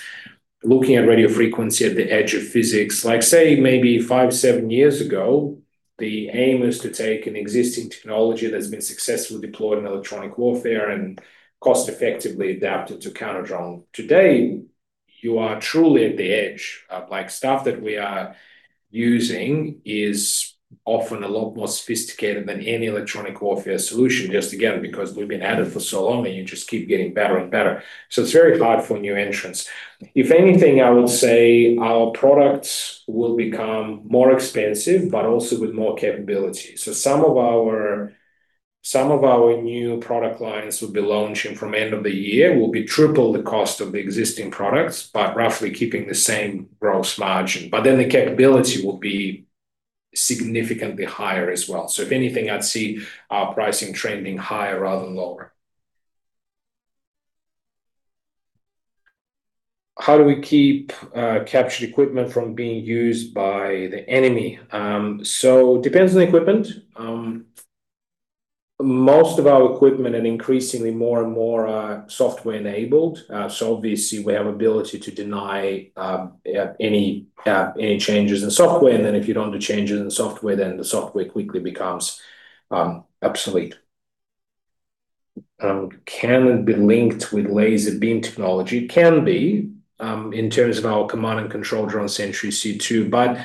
Speaker 1: Looking at radio frequency at the edge of physics, like, say, maybe five, seven years ago, the aim is to take an existing technology that's been successfully deployed in electronic warfare and cost-effectively adapt it to counter-drone. Today, you are truly at the edge. Like, stuff that we are using is often a lot more sophisticated than any electronic warfare solution, just again, because we've been at it for so long, and you just keep getting better and better. It's very hard for new entrants. If anything, I would say our products will become more expensive, but also with more capability. Some of our new product lines we'll be launching from end of the year will be 3x the cost of the existing products, but roughly keeping the same gross margin. The capability will be significantly higher as well. If anything, I'd see our pricing trending higher rather than lower. How do we keep captured equipment from being used by the enemy? Depends on the equipment. Most of our equipment, and increasingly more and more are software-enabled, so obviously, we have ability to deny any changes in software, and then if you don't do changes in the software, then the software quickly becomes obsolete. Can it be linked with laser beam technology? Can be, in terms of our command and control DroneSentry-C2,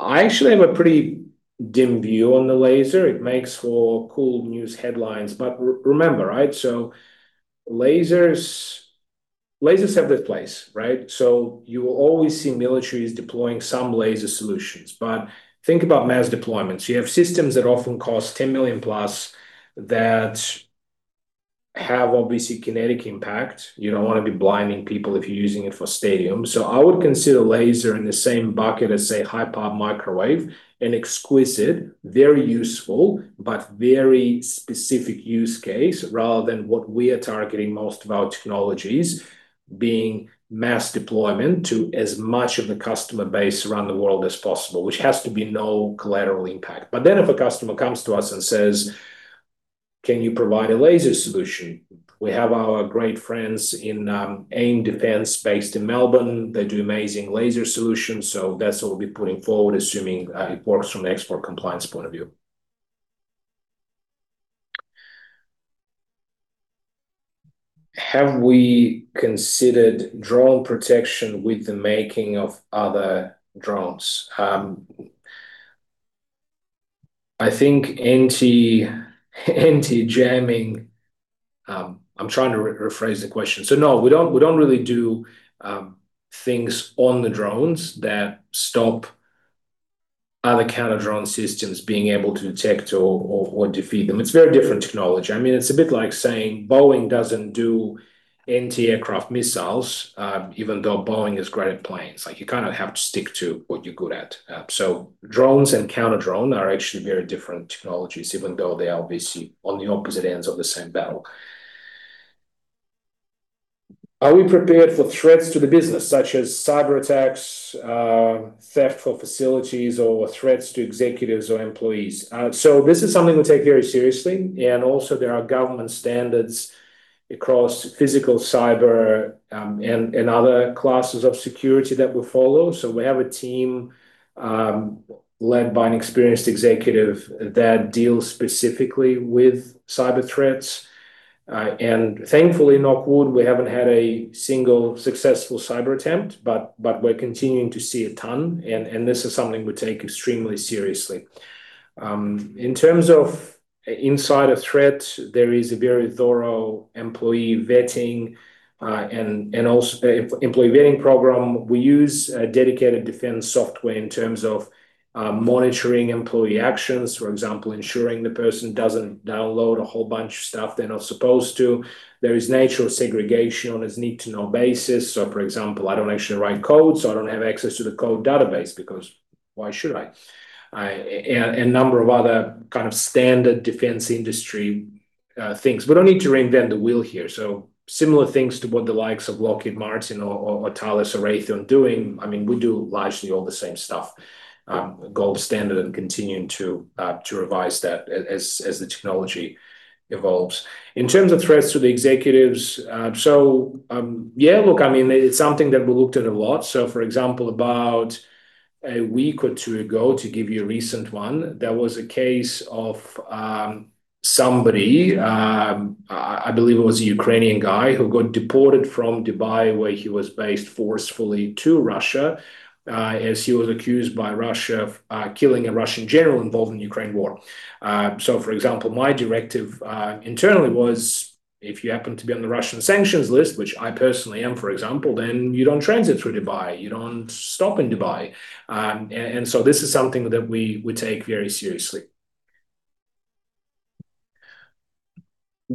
Speaker 1: I actually have a pretty dim view on the laser. It makes for cool news headlines, remember, right, Lasers have their place, right? You will always see militaries deploying some laser solutions, but think about mass deployments. You have systems that often cost 10 million+ that have obviously kinetic impact. You don't wanna be blinding people if you're using it for stadium. I would consider laser in the same bucket as, say, high-power microwave, an exquisite, very useful, but very specific use case, rather than what we are targeting most of our technologies, being mass deployment to as much of the customer base around the world as possible, which has to be no collateral impact. If a customer comes to us and says, "Can you provide a laser solution?" We have our great friends in AIM Defence, based in Melbourne. They do amazing laser solutions, so that's what we'll be putting forward, assuming it works from an export compliance point of view. Have we considered drone protection with the making of other drones? I think anti-jamming... I'm trying to rephrase the question. No, we don't, we don't really do things on the drones that stop other counter-drone systems being able to detect or defeat them. It's very different technology. I mean, it's a bit like saying Boeing doesn't do anti-aircraft missiles, even though Boeing is great at planes. Like, you kind of have to stick to what you're good at. Drones and counter-drone are actually very different technologies, even though they are obviously on the opposite ends of the same battle. Are we prepared for threats to the business, such as cyberattacks, theft of facilities, or threats to executives or employees? This is something we take very seriously, and also there are government standards across physical, cyber, and other classes of security that we follow. We have a team, led by an experienced executive that deals specifically with cyber threats, and thankfully, knock on wood, we haven't had a single successful cyber attempt, but we're continuing to see a ton, and this is something we take extremely seriously. In terms of insider threat, there is a very thorough employee vetting, and also, employee vetting program. We use dedicated defense software in terms of monitoring employee actions, for example, ensuring the person doesn't download a whole bunch of stuff they're not supposed to. There is natural segregation on a need-to-know basis. For example, I don't actually write code, so I don't have access to the code database, because why should I? A number of other kind of standard defense industry things. We don't need to reinvent the wheel here, similar things to what the likes of Lockheed Martin or Thales or Raytheon doing. I mean, we do largely all the same stuff, gold standard and continuing to revise that as the technology evolves. In terms of threats to the executives, yeah, look, I mean, it's something that we looked at a lot. For example, about a week or two ago, to give you a recent one, there was a case of somebody, I believe it was a Ukrainian guy, who got deported from Dubai, where he was based, forcefully to Russia, as he was accused by Russia of killing a Russian general involved in the Ukraine war. For example, my directive internally was, if you happen to be on the Russian sanctions list, which I personally am, for example, then you don't transit through Dubai. You don't stop in Dubai. This is something that we take very seriously.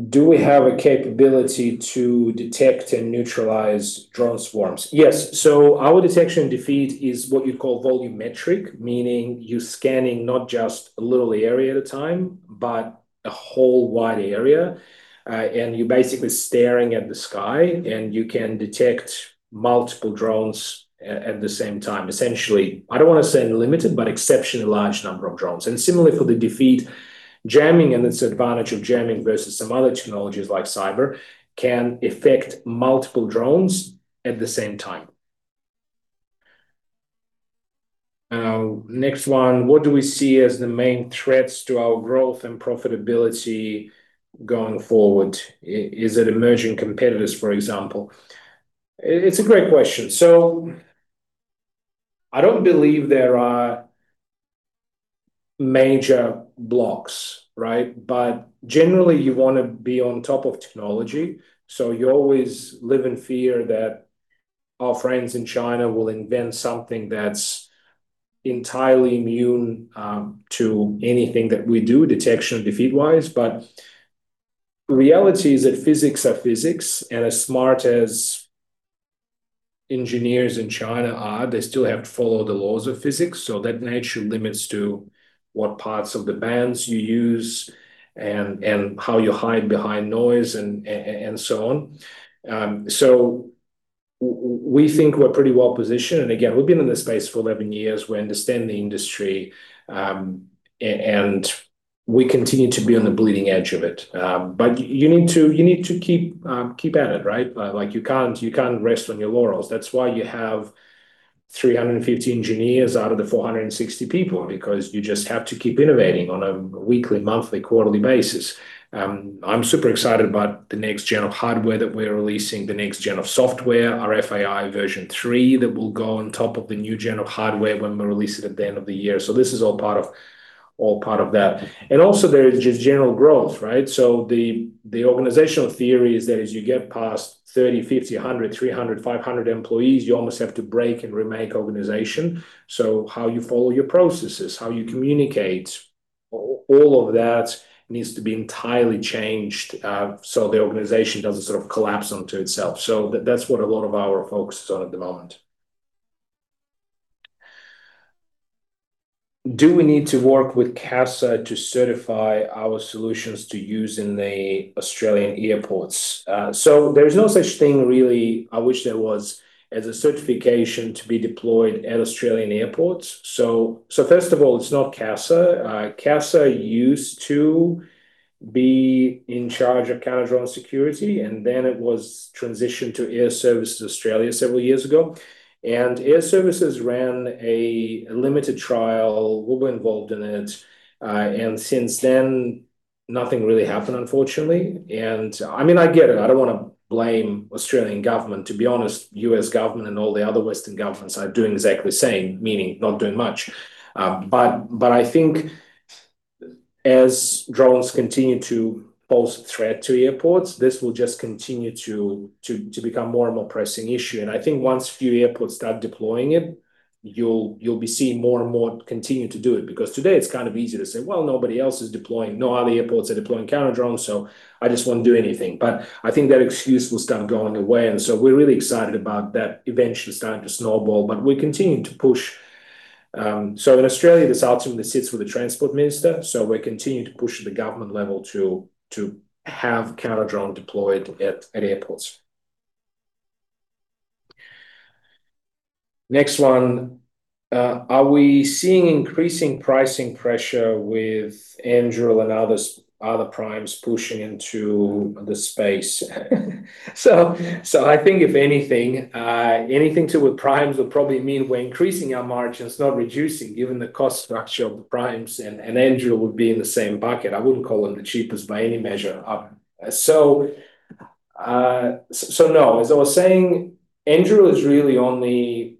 Speaker 1: Do we have a capability to detect and neutralize drone swarms? Yes. Our detection and defeat is what you'd call volumetric, meaning you're scanning not just a little area at a time, but a whole wide area, and you're basically staring at the sky, and you can detect multiple drones at the same time. Essentially, I don't wanna say unlimited, but exceptionally large number of drones. And similarly for the defeat, jamming and its advantage of jamming versus some other technologies like cyber, can affect multiple drones at the same time. next one: What do we see as the main threats to our growth and profitability going forward? Is it emerging competitors, for example? It's a great question. I don't believe there are major blocks, right? Generally, you wanna be on top of technology, so you always live in fear that our friends in China will invent something that's entirely immune to anything that we do, detection and defeat-wise. The reality is that physics are physics, and as smart as engineers in China are, they still have to follow the laws of physics, so that naturally limits to what parts of the bands you use and how you hide behind noise, and so on. We think we're pretty well positioned, and again, we've been in this space for 11 years. We understand the industry, and we continue to be on the bleeding edge of it. You need to keep at it, right? Like, you can't rest on your laurels. That's why you have 350 engineers out of the 460 people because you just have to keep innovating on a weekly, monthly, quarterly basis. I'm super excited about the next gen of hardware that we're releasing, the next gen of software, our RFAI version three, that will go on top of the new gen of hardware when we release it at the end of the year. This is all part of that. Also, there is just general growth, right? The organizational theory is that as you get past 30, 50, 100, 300, 500 employees, you almost have to break and remake organization. How you follow your processes, how you communicate, all of that needs to be entirely changed, so the organization doesn't sort of collapse onto itself. That's what a lot of our focus is on at the moment. Do we need to work with CASA to certify our solutions to use in the Australian airports? There is no such thing, really, I wish there was, as a certification to be deployed at Australian airports. First of all, it's not CASA. CASA used to be in charge of counter-drone security, and then it was transitioned to Airservices Australia several years ago. Airservices ran a limited trial. We were involved in it, and since then, nothing really happened, unfortunately. I mean, I get it. I don't wanna blame Australian government. To be honest, U.S. government and all the other Western governments are doing exactly the same, meaning not doing much. But I think as drones continue to pose a threat to airports, this will just continue to become more and more pressing issue. I think once a few airports start deploying it, you'll be seeing more and more continue to do it, because today it's kind of easy to say, "Well, nobody else is deploying. No other airports are deploying counter-drones, so I just won't do anything." I think that excuse will start going away, and so we're really excited about that eventually starting to snowball. We're continuing to push. In Australia, this ultimately sits with the transport minister, we're continuing to push at the government level to have counter-drone deployed at airports. Next one: Are we seeing increasing pricing pressure with Anduril and others, other primes pushing into the space? I think if anything to do with primes would probably mean we're increasing our margins, not reducing, given the cost structure of the primes, and Anduril would be in the same bucket. I wouldn't call them the cheapest by any measure. No, as I was saying, Anduril is really only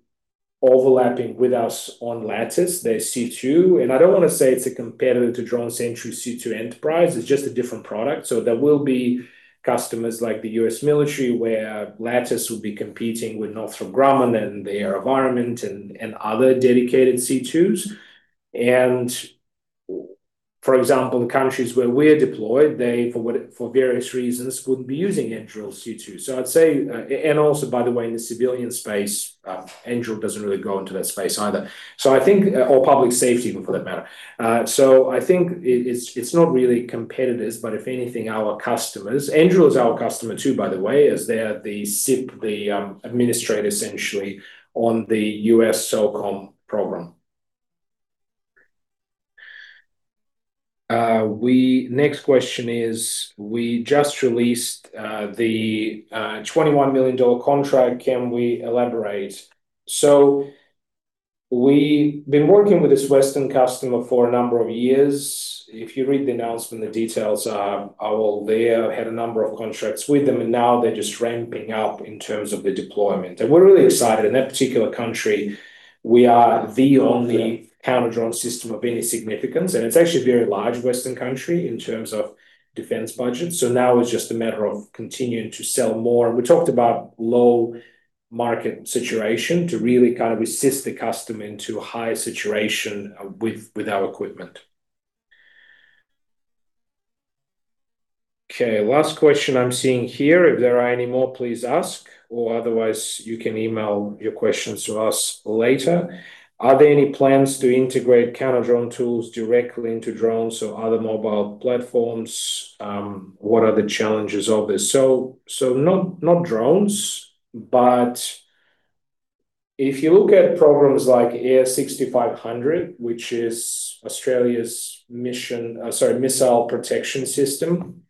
Speaker 1: overlapping with us on Lattice, their C2, and I don't wanna say it's a competitor to DroneSentry-C2 Enterprise, it's just a different product. There will be customers like the U.S. military, where Lattice will be competing with Northrop Grumman and AeroVironment and other dedicated C2s. For example, the countries where we're deployed, they, for various reasons, wouldn't be using Anduril C2. I'd say, and also, by the way, in the civilian space, Anduril doesn't really go into that space either. Or public safety, for that matter. I think it's not really competitors, but if anything, our customers. Anduril is our customer too, by the way, as they are the SIP, the administrator, essentially, on the U.S. SOCOM program. Next question is: We just released the 21 million dollar contract. Can we elaborate? We've been working with this Western customer for a number of years. If you read the announcement, the details are all there. Had a number of contracts with them. Now they're just ramping up in terms of the deployment. We're really excited. In that particular country, we are the only counter-drone system of any significance, and it's actually a very large Western country in terms of defense budget. Now it's just a matter of continuing to sell more. We talked about low market situation to really kind of assist the customer into a higher situation with our equipment. Okay, last question I'm seeing here. If there are any more, please ask, or otherwise, you can email your questions to us later. Are there any plans to integrate counter-drone tools directly into drones or other mobile platforms? What are the challenges of this? Not drones, but if you look at programs like AIR 6500, which is Australia's missile protection system,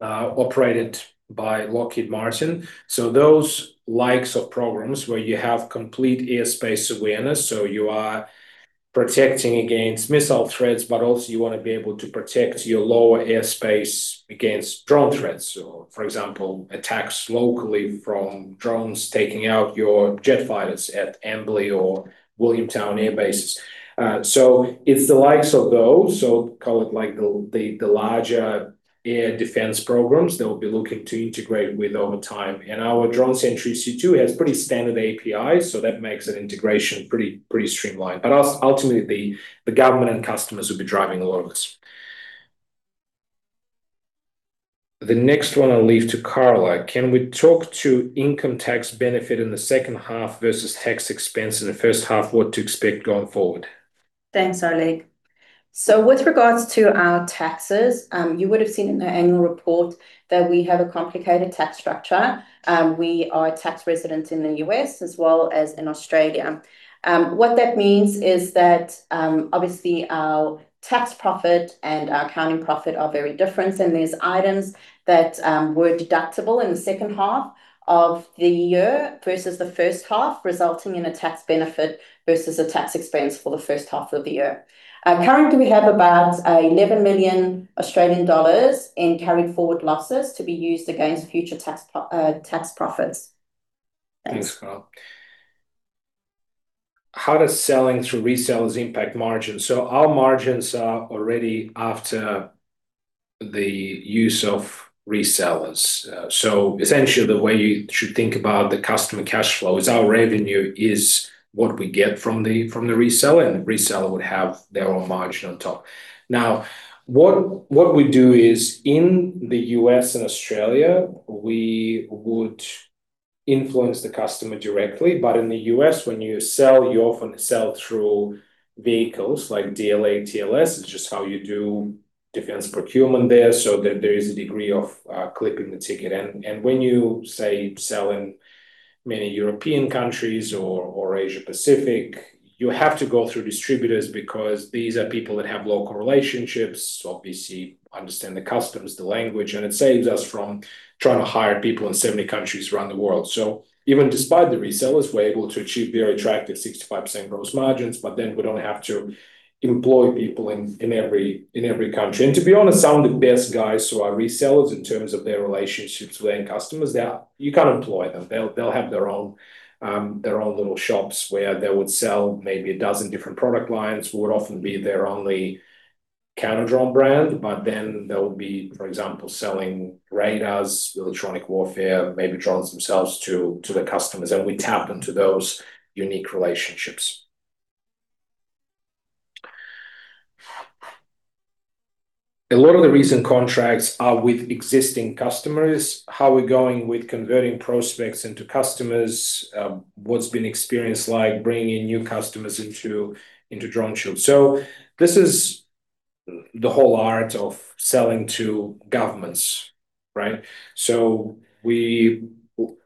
Speaker 1: operated by Lockheed Martin. Those likes of programs where you have complete airspace awareness, so you are protecting against missile threats, but also you wanna be able to protect your lower airspace against drone threats, or, for example, attacks locally from drones taking out your jet fighters at Amberley or Williamtown airbases. It's the likes of those, so call it like the larger air defense programs they'll be looking to integrate with over time. Our DroneSentry-C2 has pretty standard APIs, so that makes the integration pretty streamlined. Ultimately, the government and customers will be driving a lot of this. The next one I'll leave to Carla. Can we talk to income tax benefit in the second half versus tax expense in the first half? What to expect going forward?
Speaker 2: Thanks, Oleg. With regards to our taxes, you would have seen in the annual report that we have a complicated tax structure. We are a tax resident in the U.S. as well as in Australia. What that means is that, obviously, our tax profit and our accounting profit are very different, and there's items that were deductible in the second half of the year versus the first half, resulting in a tax benefit versus a tax expense for the first half of the year. Currently, we have about 11 million Australian dollars in carried forward losses to be used against future tax profits. Thanks.
Speaker 1: Thanks, Carla. How does selling through resellers impact margins? Our margins are already after the use of resellers. Essentially, the way you should think about the customer cash flow is our revenue is what we get from the reseller, and the reseller would have their own margin on top. What we do is in the U.S. and Australia, we would influence the customer directly, but in the U.S., when you sell, you often sell through vehicles like DLA, TLS. It's just how you do defense procurement there, so there is a degree of clipping the ticket. When you, say, sell in many European countries or Asia-Pacific, you have to go through distributors because these are people that have local relationships, obviously understand the customs, the language, and it saves us from trying to hire people in so many countries around the world. Even despite the resellers, we're able to achieve very attractive 65% gross margins, we don't have to employ people in every country. To be honest, some of the best guys who are resellers in terms of their relationships with end customers, you can't employ them. They'll have their own, their own little shops where they would sell maybe a dozen different product lines. We would often be their only counter-drone brand, but then they'll be, for example, selling radars, electronic warfare, maybe drones themselves to the customers, and we tap into those unique relationships. A lot of the recent contracts are with existing customers. How are we going with converting prospects into customers? What's been the experience like bringing new customers into DroneShield? This is the whole art of selling to governments, right? We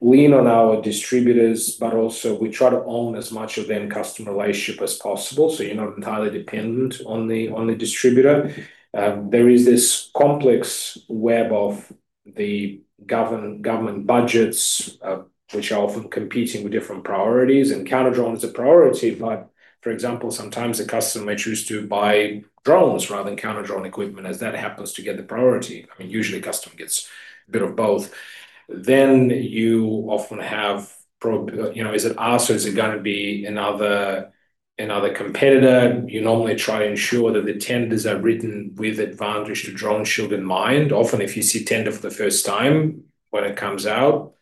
Speaker 1: lean on our distributors, but also we try to own as much of the end customer relationship as possible, so you're not entirely dependent on the distributor. There is this complex web of the government budgets, which are often competing with different priorities, and counter-drone is a priority. For example, sometimes a customer may choose to buy drones rather than counter-drone equipment, as that happens to get the priority. I mean, usually, the customer gets a bit of both. you often have, you know, is it us, or is it gonna be another competitor, you normally try to ensure that the tenders are written with advantage to DroneShield in mind. Often, if you see tender for the first time when it comes out,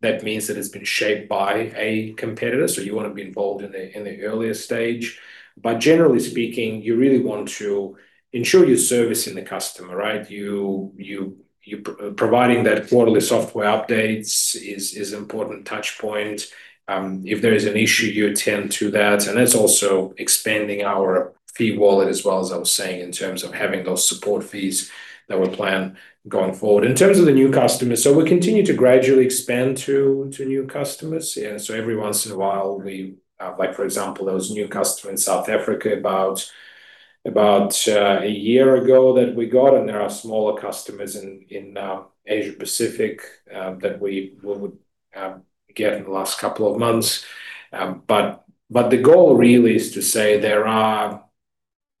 Speaker 1: that means that it's been shaped by a competitor, so you want to be involved in the, in the earlier stage. Generally speaking, you really want to ensure you're servicing the customer, right? You providing that quarterly software updates is important touch point. If there is an issue, you attend to that, and that's also expanding our fee wallet as well, as I was saying, in terms of having those support fees that we plan going forward. In terms of the new customers, we continue to gradually expand to new customers. Every once in a while, we, like, for example, there was a new customer in South Africa about a year ago that we got, and there are smaller customers in Asia Pacific that we would get in the last couple of months. The goal really is to say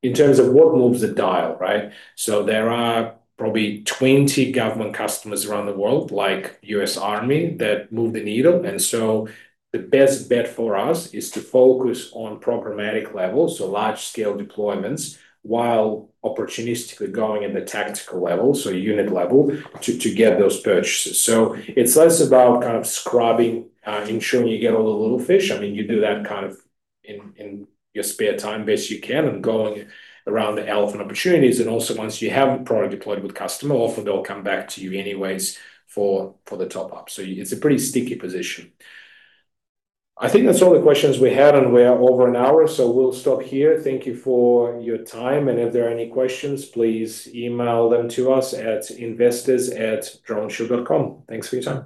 Speaker 1: in terms of what moves the dial, right? There are probably 20 government customers around the world, like U.S. Army, that move the needle, the best bet for us is to focus on programmatic level, so large-scale deployments, while opportunistically going in the tactical level, so unit level, to get those purchases. It's less about kind of scrubbing, ensuring you get all the little fish. I mean, you do that kind of in your spare time, best you can, and going around the elephant opportunities. Also, once you have a product deployed with customer, often they'll come back to you anyways for the top up. It's a pretty sticky position. I think that's all the questions we had, and we are over an hour, so we'll stop here. Thank you for your time, and if there are any questions, please email them to us at investors@droneshield.com. Thanks for your time.